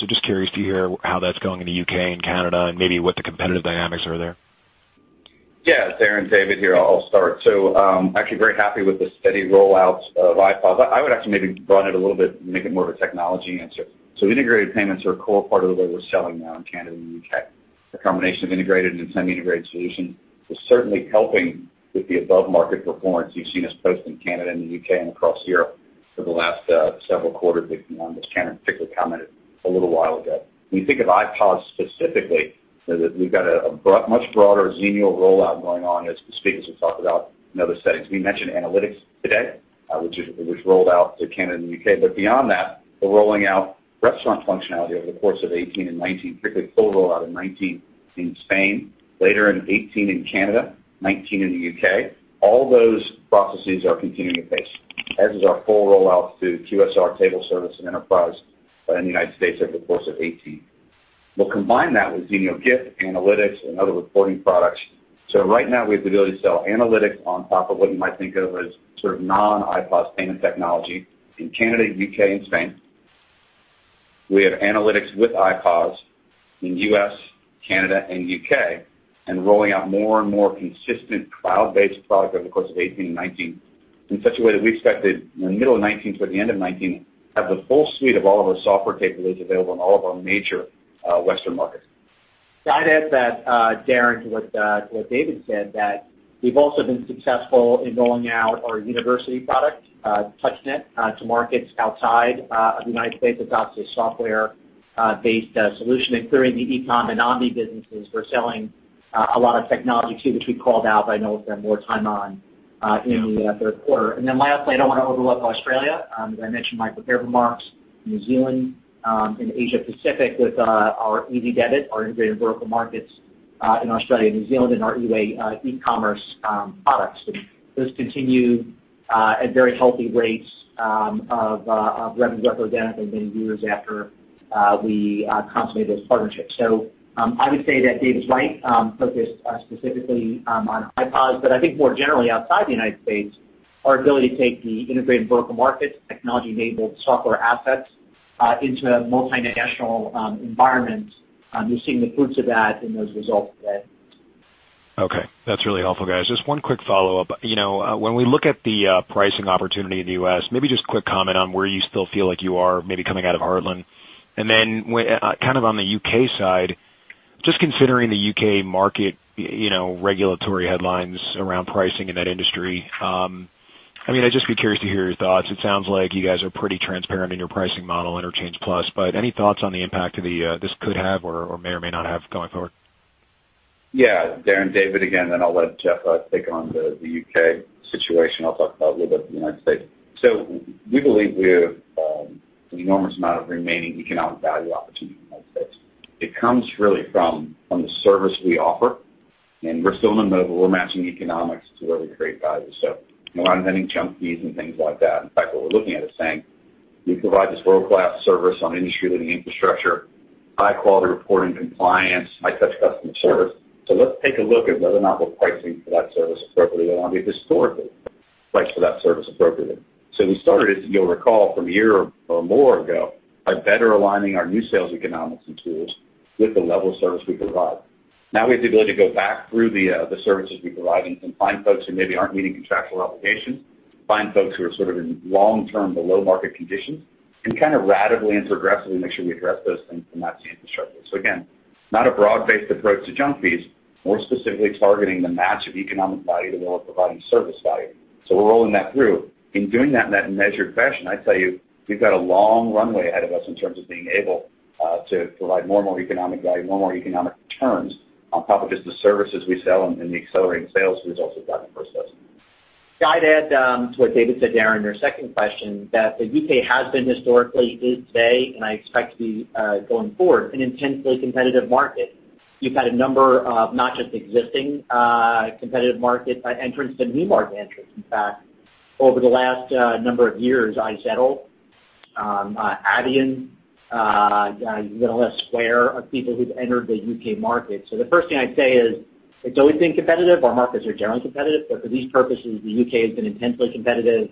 Just curious to hear how that's going in the U.K. and Canada and maybe what the competitive dynamics are there. Yeah, Darrin, David here. I'll start. Actually very happy with the steady rollout of iPOS. I would actually maybe broaden it a little bit and make it more of a technology answer. Integrated payments are a core part of the way we're selling now in Canada and the U.K. The combination of integrated and semi-integrated solutions is certainly helping with the above-market performance you've seen us post in Canada and the U.K. and across Europe for the last several quarters, as Cameron particularly commented a little while ago. When you think of iPOS specifically, we've got a much broader Xenial rollout going on as the speakers have talked about in other settings. We mentioned analytics today, which rolled out to Canada and the U.K. Beyond that, we're rolling out restaurant functionality over the course of 2018 and 2019, particularly a full rollout in 2019 in Spain, later in 2018 in Canada, 2019 in the U.K. All those processes are continuing apace, as is our full rollout to QSR table service and enterprise in the United States over the course of 2018. We'll combine that with Xenial Gift, analytics, and other reporting products. Right now we have the ability to sell analytics on top of what you might think of as sort of non-iPOS payment technology in Canada, U.K., and Spain. We have analytics with iPOS in U.S., Canada, and U.K., and rolling out more and more consistent cloud-based product over the course of 2018 and 2019 in such a way that we expect to, in the middle of 2019 to the end of 2019, have the full suite of all of our software capabilities available in all of our major Western markets. I'd add that, Darrin, to what David said, that we've also been successful in rolling out our university product, TouchNet, to markets outside of the U.S. That's obviously a software-based solution, including the e-com to non-E businesses. We're selling a lot of technology too, which we called out, but I know we'll spend more time on in the third quarter. Lastly, I don't want to overlook Australia, as I mentioned in my prepared remarks, New Zealand, and Asia Pacific with our Ezidebit, our integrated vertical markets in Australia and New Zealand, and our eWAY e-commerce products. Those continue at very healthy rates of revenue growth year after year after we consummate those partnerships. I would say that David's right, focused specifically on iPOS, but I think more generally outside the U.S., our ability to take the integrated vertical markets, technology-enabled software assets into a multinational environment, we're seeing the fruits of that in those results today. Okay. That's really helpful, guys. Just one quick follow-up. When we look at the pricing opportunity in the U.S., maybe just a quick comment on where you still feel like you are maybe coming out of Heartland. Then kind of on the U.K. side, just considering the U.K. market regulatory headlines around pricing in that industry. I'd just be curious to hear your thoughts. It sounds like you guys are pretty transparent in your pricing model, interchange plus, but any thoughts on the impact this could have or may or may not have going forward? Yeah. Darrin, David again, I'll let Jeff take on the U.K. situation. I'll talk a little bit to the U.S. We believe we have an enormous amount of remaining economic value opportunity in the U.S. It comes really from the service we offer, and we're still in the mode where we're matching economics to where we create value. A lot of lending companies and things like that, in fact, what we're looking at is saying We provide this world-class service on industry-leading infrastructure, high-quality reporting compliance, high-touch customer service. Let's take a look at whether or not we're pricing for that service appropriately or historically priced for that service appropriately. We started, as you'll recall, from a year or more ago, by better aligning our new sales economics and tools with the level of service we provide. Now we have the ability to go back through the services we provide and find folks who maybe aren't meeting contractual obligations, find folks who are sort of in long-term below-market conditions, and radically and progressively make sure we address those things from that same perspective. Again, not a broad-based approach to junk fees. We're specifically targeting the match of economic value that we're providing service value. We're rolling that through. In doing that in that measured fashion, I'd tell you, we've got a long runway ahead of us in terms of being able to provide more and more economic value, more and more economic returns on top of just the services we sell and the accelerating sales results we've gotten from our assessments. [Guided] to add to what David said, Darrin, your second question, that the U.K. has been historically, is today, and I expect to be going forward, an intensely competitive market. You've had a number of not just existing competitive market entrants, but new market entrants. In fact, over the last number of years, iZettle, Adyen, you could almost swear, are people who've entered the U.K. market. The first thing I'd say is it's always been competitive. Our markets are generally competitive, but for these purposes, the U.K. has been intensely competitive,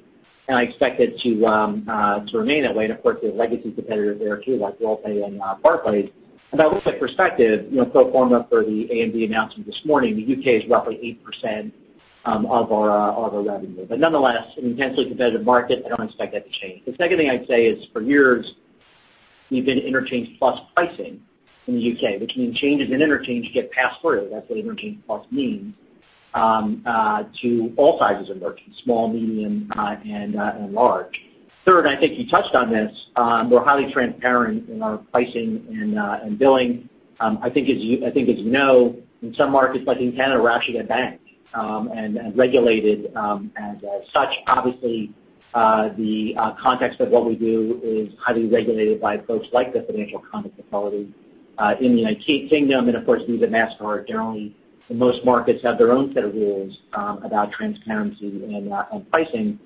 and I expect it to remain that way. Of course, there's legacy competitors there too, like Worldpay and Barclays. A little bit of perspective, pro forma for the AMD announcement this morning, the U.K. is roughly 8% of our revenue. Nonetheless, an intensely competitive market. I don't expect that to change. The second thing I'd say is for years we've been interchange-plus pricing in the U.K., which means changes in interchange get passed through. That's what interchange-plus means to all sizes of merchants, small, medium, and large. Third, I think you touched on this. We're highly transparent in our pricing and billing. I think as you know, in some markets like in Canada, we're actually a bank and regulated as such. Obviously, the context of what we do is highly regulated by folks like the Financial Conduct Authority in the United Kingdom. Of course, Visa, Mastercard, generally most markets have their own set of rules about transparency and pricing.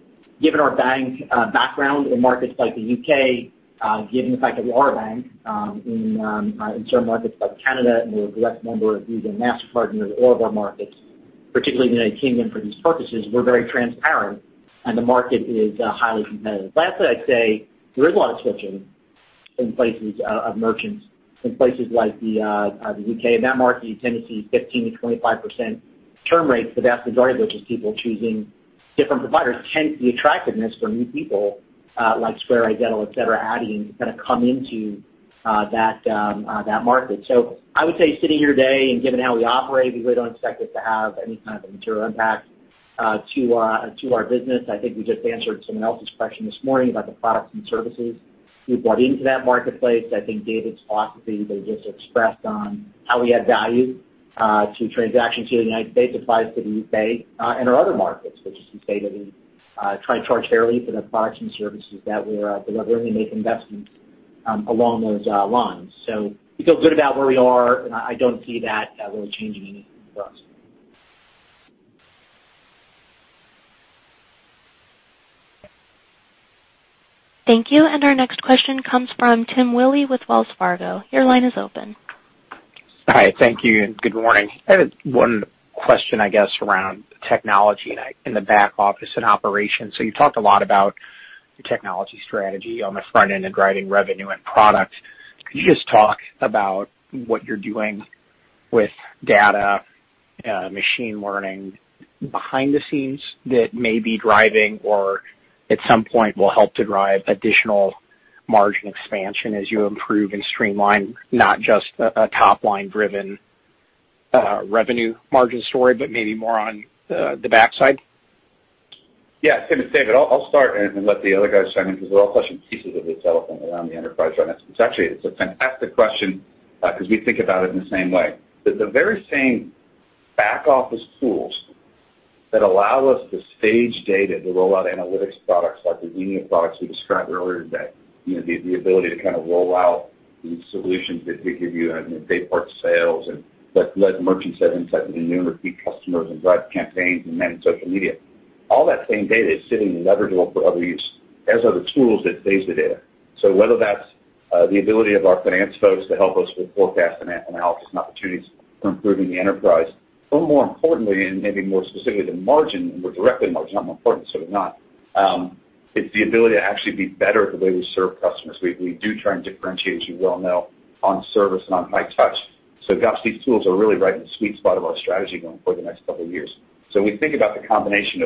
Given our bank background in markets like the U.K., given the fact that we are a bank in certain markets like Canada, and we're a direct member of Visa and Mastercard in all of our markets, particularly the U.K. for these purposes, we're very transparent and the market is highly competitive. Lastly, I'd say there is a lot of switching in merchants in places like the U.K. In that market, you tend to see 15%-25% churn rates for the vast majority of which is people choosing different providers. Hence the attractiveness for new people like Square, iZettle, et cetera, Adyen to come into that market. I would say sitting here today and given how we operate, we really don't expect it to have any kind of material impact to our business. I think we just answered someone else's question this morning about the products and services we've brought into that marketplace. I think David's philosophy that he just expressed on how we add value to transactions here in the U.S. applies to the U.K. and our other markets, which is to say that we try to charge fairly for the products and services that we're delivering and make investments along those lines. We feel good about where we are, and I don't see that really changing anything for us. Thank you. Our next question comes from Timothy Willi with Wells Fargo. Your line is open. Hi. Thank you. Good morning. I have one question, I guess, around technology in the back office and operations. You talked a lot about the technology strategy on the front end and driving revenue and product. Can you just talk about what you're doing with data, machine learning behind the scenes that may be driving or at some point will help to drive additional margin expansion as you improve and streamline not just a top-line driven revenue margin story, but maybe more on the backside? Yeah. Tim, it's David. I'll start and let the other guys chime in because they're all touching pieces of this elephant around the enterprise right now. It's actually a fantastic question because we think about it in the same way. The very same back-office tools that allow us to stage data to roll out analytics products like the [new] products we described earlier today, the ability to kind of roll out these solutions that we give you on day part sales and let merchants have insight into new or repeat customers and drive campaigns and manage social media. All that same data is sitting and leverageable for other use, as are the tools that stage the data. Whether that's the ability of our finance folks to help us with forecast and analysis and opportunities for improving the enterprise, or more importantly, and maybe more specifically the margin, more directly margin, not more important, certainly not. It's the ability to actually be better at the way we serve customers. We do try and differentiate, as you well know, on service and on high touch. Gosh, these tools are really right in the sweet spot of our strategy going forward the next couple of years. We think about the combination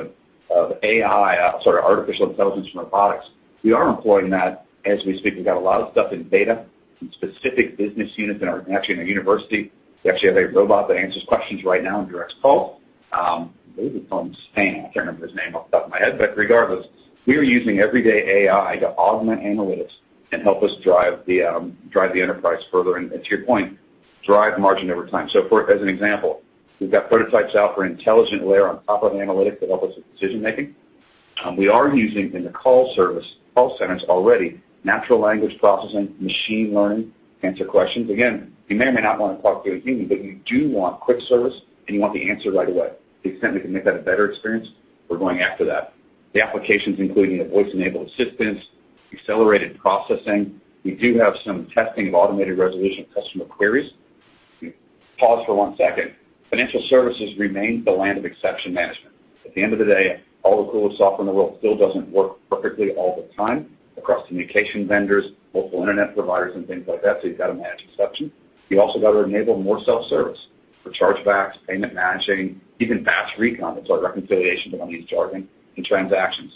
of AI, sorry, artificial intelligence from our products. We are employing that as we speak. We've got a lot of stuff in beta from specific business units and actually in our university. We actually have a robot that answers questions right now and directs calls. I believe he's called Stan. I can't remember his name off the top of my head, regardless, we are using everyday AI to augment analytics and help us drive the enterprise further and to your point, drive margin over time. As an example, we've got prototypes out for an intelligent layer on top of analytics that help us with decision-making. We are using in the call service, call centers already, natural language processing, machine learning to answer questions. Again, you may or may not want to talk to a human, but you do want quick service, and you want the answer right away. To the extent we can make that a better experience, we're going after that. The applications including the voice-enabled assistance, accelerated processing. We do have some testing of automated resolution of customer queries. Pause for one second. Financial services remains the land of exception management. At the end of the day, all the coolest software in the world still doesn't work perfectly all the time across communication vendors, local internet providers, and things like that, you've got to manage exception. You also got to enable more self-service for chargebacks, payment managing, even batch recon. That's our reconciliation component, charging and transactions.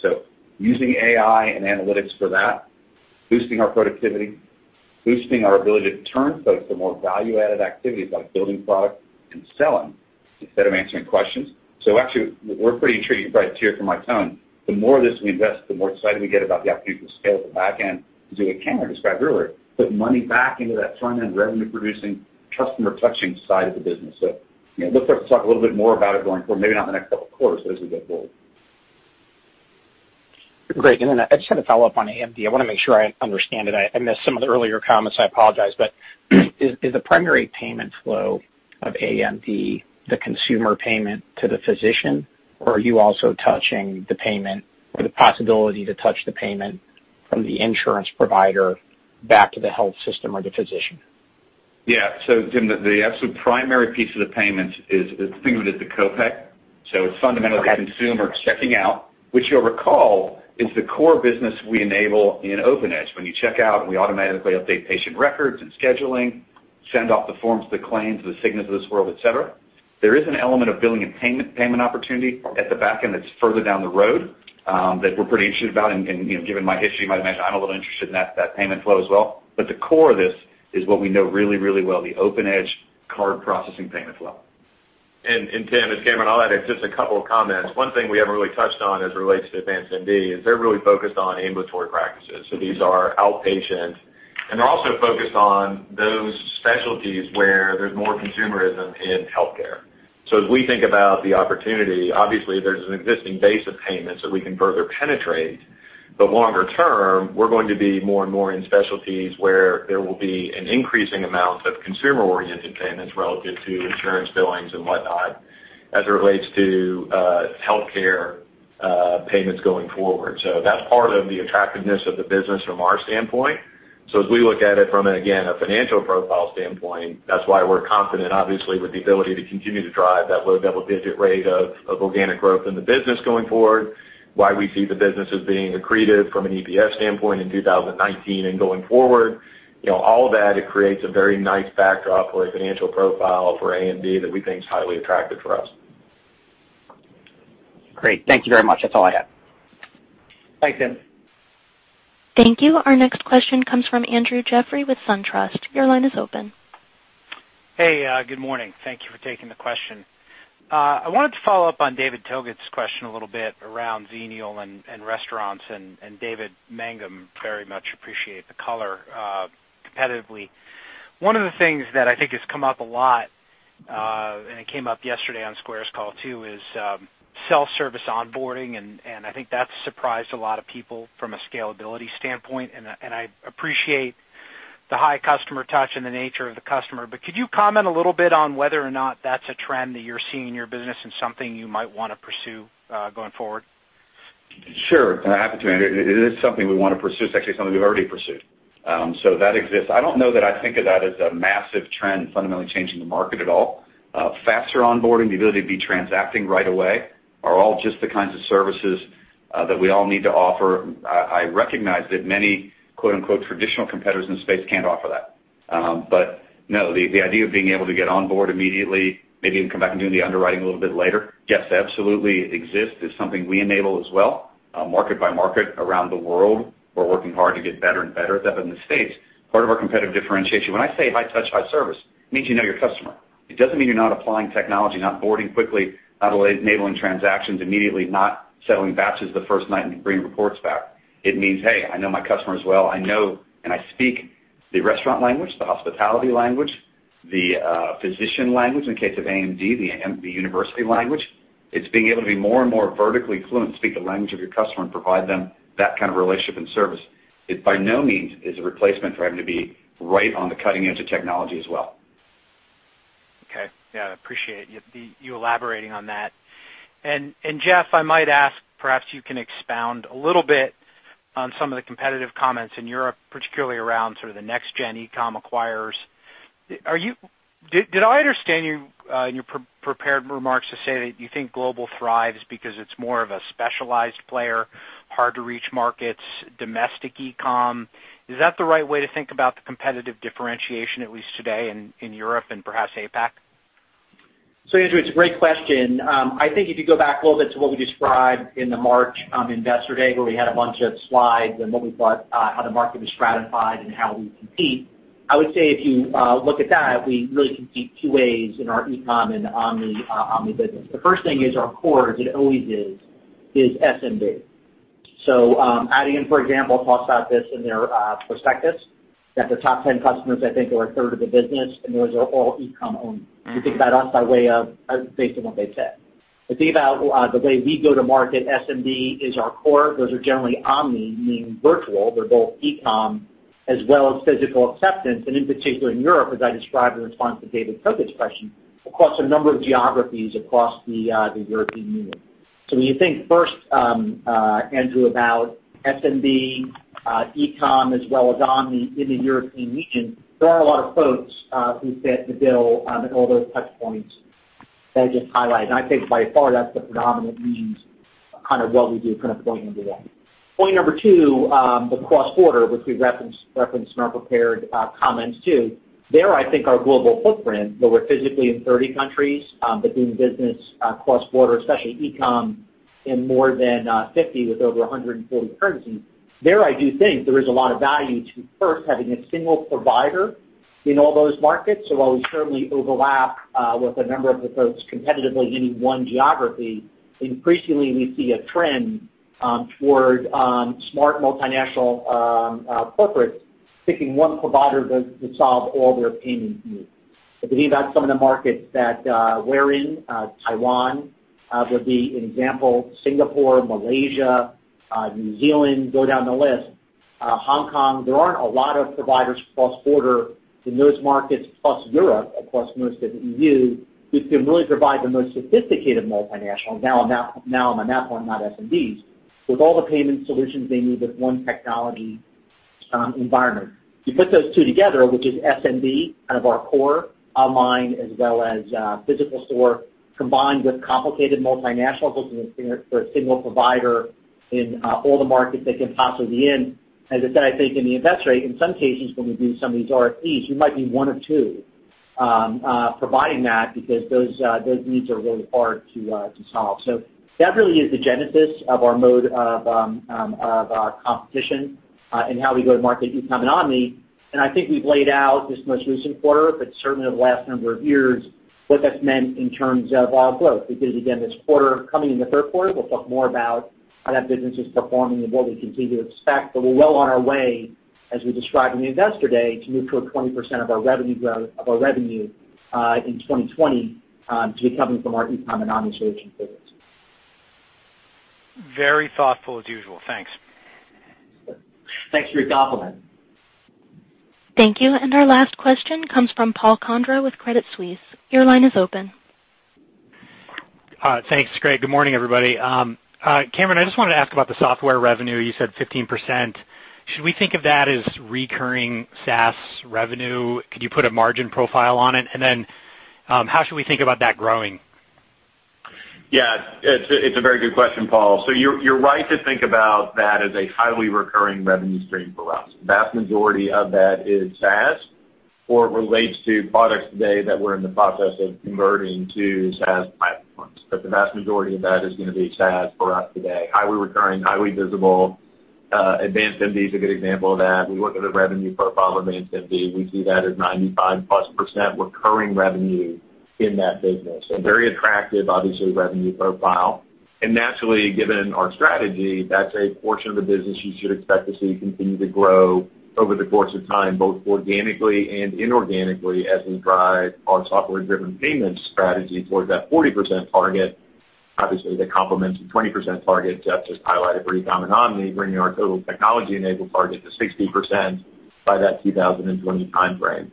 Using AI and analytics for that, boosting our productivity, boosting our ability to turn folks to more value-added activities like building product and selling instead of answering questions. Actually, we're pretty intrigued. You can probably hear it from my tone. The more of this we invest, the more excited we get about the opportunity to scale at the back end to do what Cameron described earlier, put money back into that front-end revenue producing customer touching side of the business. Look for us to talk a little bit more about it going forward. Maybe not in the next couple of quarters, but as we get rolling. Great. I just had a follow-up on AMD. I want to make sure I understand it. I missed some of the earlier comments, I apologize, but is the primary payment flow of AMD the consumer payment to the physician, or are you also touching the payment or the possibility to touch the payment from the insurance provider back to the health system or the physician? Yeah, Tim, the absolute primary piece of the payment is think of it as the co-pay. Okay The consumer checking out, which you'll recall is the core business we enable in OpenEdge. When you check out, we automatically update patient records and scheduling, send off the forms, the claims, the Cigna of this world, et cetera. There is an element of billing and payment opportunity at the back end that's further down the road, that we're pretty interested about. Given my history, you might imagine I'm a little interested in that payment flow as well. The core of this is what we know really well, the OpenEdge card processing payment flow. Tim, it's Cameron. I'll add just a couple of comments. One thing we haven't really touched on as it relates to AdvancedMD is they're really focused on ambulatory practices. These are outpatient and also focused on those specialties where there's more consumerism in healthcare. As we think about the opportunity, obviously there's an existing base of payments that we can further penetrate. Longer term, we're going to be more and more in specialties where there will be an increasing amount of consumer-oriented payments relative to insurance billings and whatnot as it relates to healthcare payments going forward. That's part of the attractiveness of the business from our standpoint. As we look at it from, again, a financial profile standpoint, that's why we're confident obviously with the ability to continue to drive that low double-digit rate of organic growth in the business going forward, why we see the business as being accretive from an EPS standpoint in 2019 and going forward. All of that, it creates a very nice backdrop or a financial profile for AMD that we think is highly attractive for us. Great. Thank you very much. That's all I have. Thanks, Tim. Thank you. Our next question comes from Andrew Jeffrey with SunTrust. Your line is open. Hey, good morning. Thank you for taking the question. I wanted to follow up on David Togut's question a little bit around Xenial and restaurants, and David Mangum, very much appreciate the color competitively. One of the things that I think has come up a lot, and it came up yesterday on Square's call too, is self-service onboarding, and I think that's surprised a lot of people from a scalability standpoint. I appreciate the high customer touch and the nature of the customer, could you comment a little bit on whether or not that's a trend that you're seeing in your business and something you might want to pursue going forward? Sure. I'm happy to, Andrew. It is something we want to pursue. It's actually something we've already pursued. That exists. I don't know that I think of that as a massive trend fundamentally changing the market at all. Faster onboarding, the ability to be transacting right away are all just the kinds of services that we all need to offer. I recognize that many "traditional competitors" in the space can't offer that. No, the idea of being able to get on board immediately, maybe even come back and do the underwriting a little bit later, yes, absolutely exists, is something we enable as well market by market around the world. We're working hard to get better and better at that, but in the States, part of our competitive differentiation. When I say high touch, high service, it means you know your customer. It doesn't mean you're not applying technology, not boarding quickly, not enabling transactions immediately, not settling batches the first night and bringing reports back. It means, hey, I know my customers well. I know and I speak the restaurant language, the hospitality language, the physician language in case of AMD, the university language. It's being able to be more and more vertically fluent, speak the language of your customer, and provide them that kind of relationship and service. It by no means is a replacement for having to be right on the cutting edge of technology as well. Okay. Yeah, I appreciate you elaborating on that. Jeff, I might ask, perhaps you can expound a little bit on some of the competitive comments in Europe, particularly around sort of the next gen e-com acquirers. Did I understand you in your prepared remarks to say that you think Global thrives because it's more of a specialized player, hard-to-reach markets, domestic e-com? Is that the right way to think about the competitive differentiation, at least today in Europe and perhaps APAC? Andrew, it's a great question. I think if you go back a little bit to what we described in the March Investor Day where we had a bunch of slides and what we thought how the market was stratified and how we compete, I would say if you look at that, we really compete two ways in our e-com and omni business. The first thing is our core, as it always is SMB. Adyen, for example, talks about this in their prospectus, that the top 10 customers I think are a third of the business, and those are all e-com only. You think about us by way of based on what they said. The thing about the way we go to market, SMB is our core. Those are generally omni, meaning virtual. They're both e-com as well as physical acceptance. In particular in Europe, as I described in response to David Togut's question, across a number of geographies across the European Union. When you think first, Andrew, about SMB, e-com, as well as omni in the European Union, there are a lot of folks who fit the bill in all those touch points that I just highlighted. I think by far that's the predominant means of what we do from a point into that. Point number two, the cross-border, which we referenced in our prepared comments too. There, I think our global footprint, where we're physically in 30 countries, but doing business cross-border, especially e-com, in more than 50 with over 140 currencies. There, I do think there is a lot of value to first having a single provider in all those markets. While we certainly overlap with a number of the folks competitively in any one geography, increasingly we see a trend towards smart multinational corporates picking one provider to solve all their payment needs. I believe that's some of the markets that we're in. Taiwan would be an example. Singapore, Malaysia, New Zealand, go down the list. Hong Kong. There aren't a lot of providers cross-border in those markets, plus Europe, of course, most of the EU, which can really provide the most sophisticated multinational. Now I'm on that one, not SMBs. With all the payment solutions they need with one technology environment. You put those two together, which is SMB, kind of our core, online as well as physical store, combined with complicated multinationals looking for a single provider in all the markets they can possibly be in. As I said, I think in the Investor Day, in some cases, when we do some of these RFPs, we might be one of two providing that because those needs are really hard to solve. That really is the genesis of our mode of our competition and how we go to market e-com and omni. I think we've laid out this most recent quarter, but certainly over the last number of years, what that's meant in terms of our growth. We did it again this quarter. Coming into the third quarter, we'll talk more about how that business is performing and what we continue to expect. We're well on our way, as we described in the Investor Day, to move toward 20% of our revenue in 2020 to be coming from our e-com and omni solution business. Very thoughtful as usual. Thanks. Thanks for your compliment. Thank you. Our last question comes from Paul Condra with Credit Suisse. Your line is open. Thanks. Great. Good morning, everybody. Cameron, I just wanted to ask about the software revenue. You said 15%. Should we think of that as recurring SaaS revenue? Could you put a margin profile on it? How should we think about that growing? Yeah, it's a very good question, Paul. You're right to think about that as a highly recurring revenue stream for us. Vast majority of that is SaaS or relates to products today that we're in the process of converting to SaaS platforms. The vast majority of that is going to be SaaS for us today. Highly recurring, highly visible. AdvancedMD is a good example of that. We look at a revenue profile of AdvancedMD. We see that as 95-plus% recurring revenue in that business. Very attractive, obviously, revenue profile. Naturally, given our strategy, that's a portion of the business you should expect to see continue to grow over the course of time, both organically and inorganically, as we drive our software-driven payments strategy towards that 40% target. Obviously, that complements the 20% target Jeff just highlighted for e-com and omni, bringing our total technology-enabled target to 60% by that 2020 timeframe.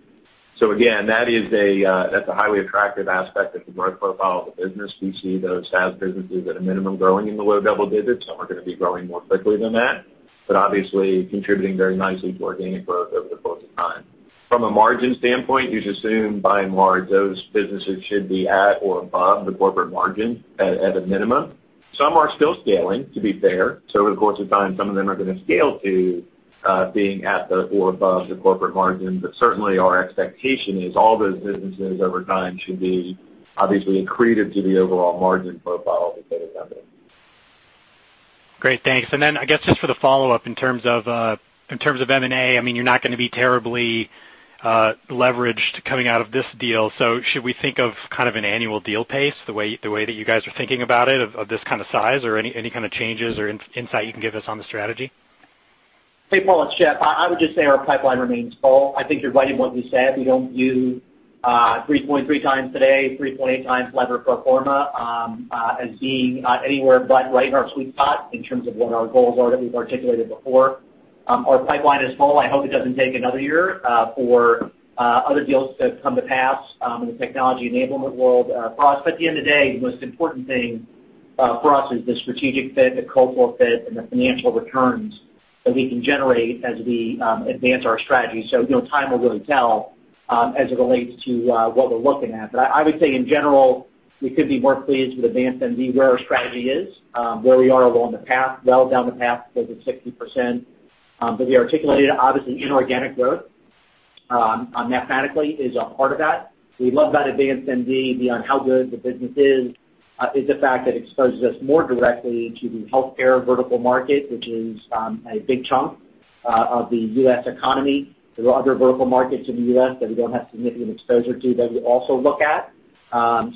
Again, that's a highly attractive aspect of the growth profile of the business. We see those SaaS businesses at a minimum growing in the low double digits, some are going to be growing more quickly than that. Obviously contributing very nicely to organic growth over the course of time. From a margin standpoint, you should assume by and large, those businesses should be at or above the corporate margin at a minimum. Some are still scaling, to be fair. Over the course of time, some of them are going to scale to being at or above the corporate margin. Certainly our expectation is all those businesses over time should be obviously accretive to the overall margin profile that they have been. Great, thanks. I guess just for the follow-up in terms of M&A, you're not going to be terribly leveraged coming out of this deal. Should we think of kind of an annual deal pace the way that you guys are thinking about it of this kind of size or any kind of changes or insight you can give us on the strategy? Hey, Paul, it's Jeff. I would just say our pipeline remains full. I think you're right in what you said. We don't view 3.3 times today, 3.8 times lever pro forma as being anywhere but right in our sweet spot in terms of what our goals are that we've articulated before. Our pipeline is full. I hope it doesn't take another year for other deals to come to pass in the technology enablement world for us. At the end of the day, the most important thing for us is the strategic fit, the cultural fit, and the financial returns that we can generate as we advance our strategy. Time will really tell as it relates to what we're looking at. I would say in general, we could be more pleased with AdvancedMD, where our strategy is, where we are along the path, well down the path towards the 60%. We articulated obviously inorganic growth mathematically is a part of that. We love that AdvancedMD beyond how good the business is the fact that it exposes us more directly to the healthcare vertical market, which is a big chunk of the U.S. economy. There are other vertical markets in the U.S. that we don't have significant exposure to that we also look at.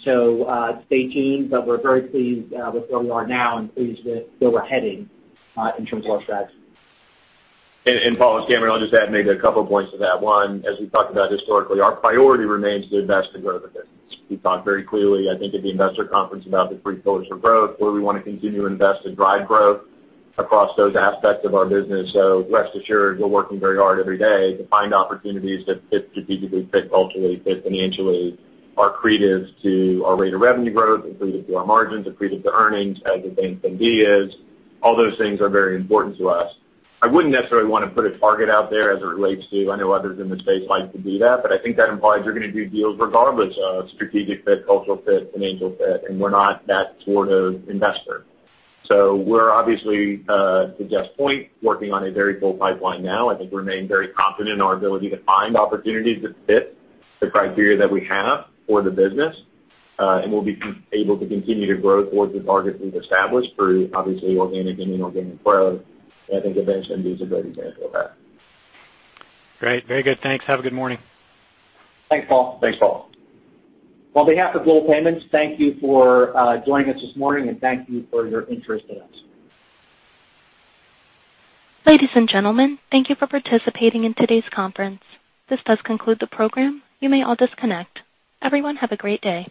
Stay tuned, but we're very pleased with where we are now and pleased with where we're heading in terms of our strategy. Paul, it's Cameron. I'll just add maybe a couple points to that. One, as we've talked about historically, our priority remains to invest in growth businesses. We've talked very clearly, I think, at the Investor Conference about the three pillars of growth, where we want to continue to invest and drive growth across those aspects of our business. Rest assured, we're working very hard every day to find opportunities that fit strategically, fit culturally, fit financially, are accretive to our rate of revenue growth, accretive to our margins, accretive to earnings, as AdvancedMD is. All those things are very important to us. I wouldn't necessarily want to put a target out there as it relates to, I know others in the space like to do that, I think that implies you're going to do deals regardless of strategic fit, cultural fit, financial fit, and we're not that sort of investor. We're obviously, to Jeff's point, working on a very full pipeline now. I think we remain very confident in our ability to find opportunities that fit the criteria that we have for the business. We'll be able to continue to grow towards the targets we've established through obviously organic and inorganic growth. I think AdvancedMD is a great example of that. Great. Very good. Thanks. Have a good morning. Thanks, Paul. Thanks, Paul. On behalf of Global Payments, thank you for joining us this morning and thank you for your interest in us. Ladies and gentlemen, thank you for participating in today's conference. This does conclude the program. You may all disconnect. Everyone, have a great day.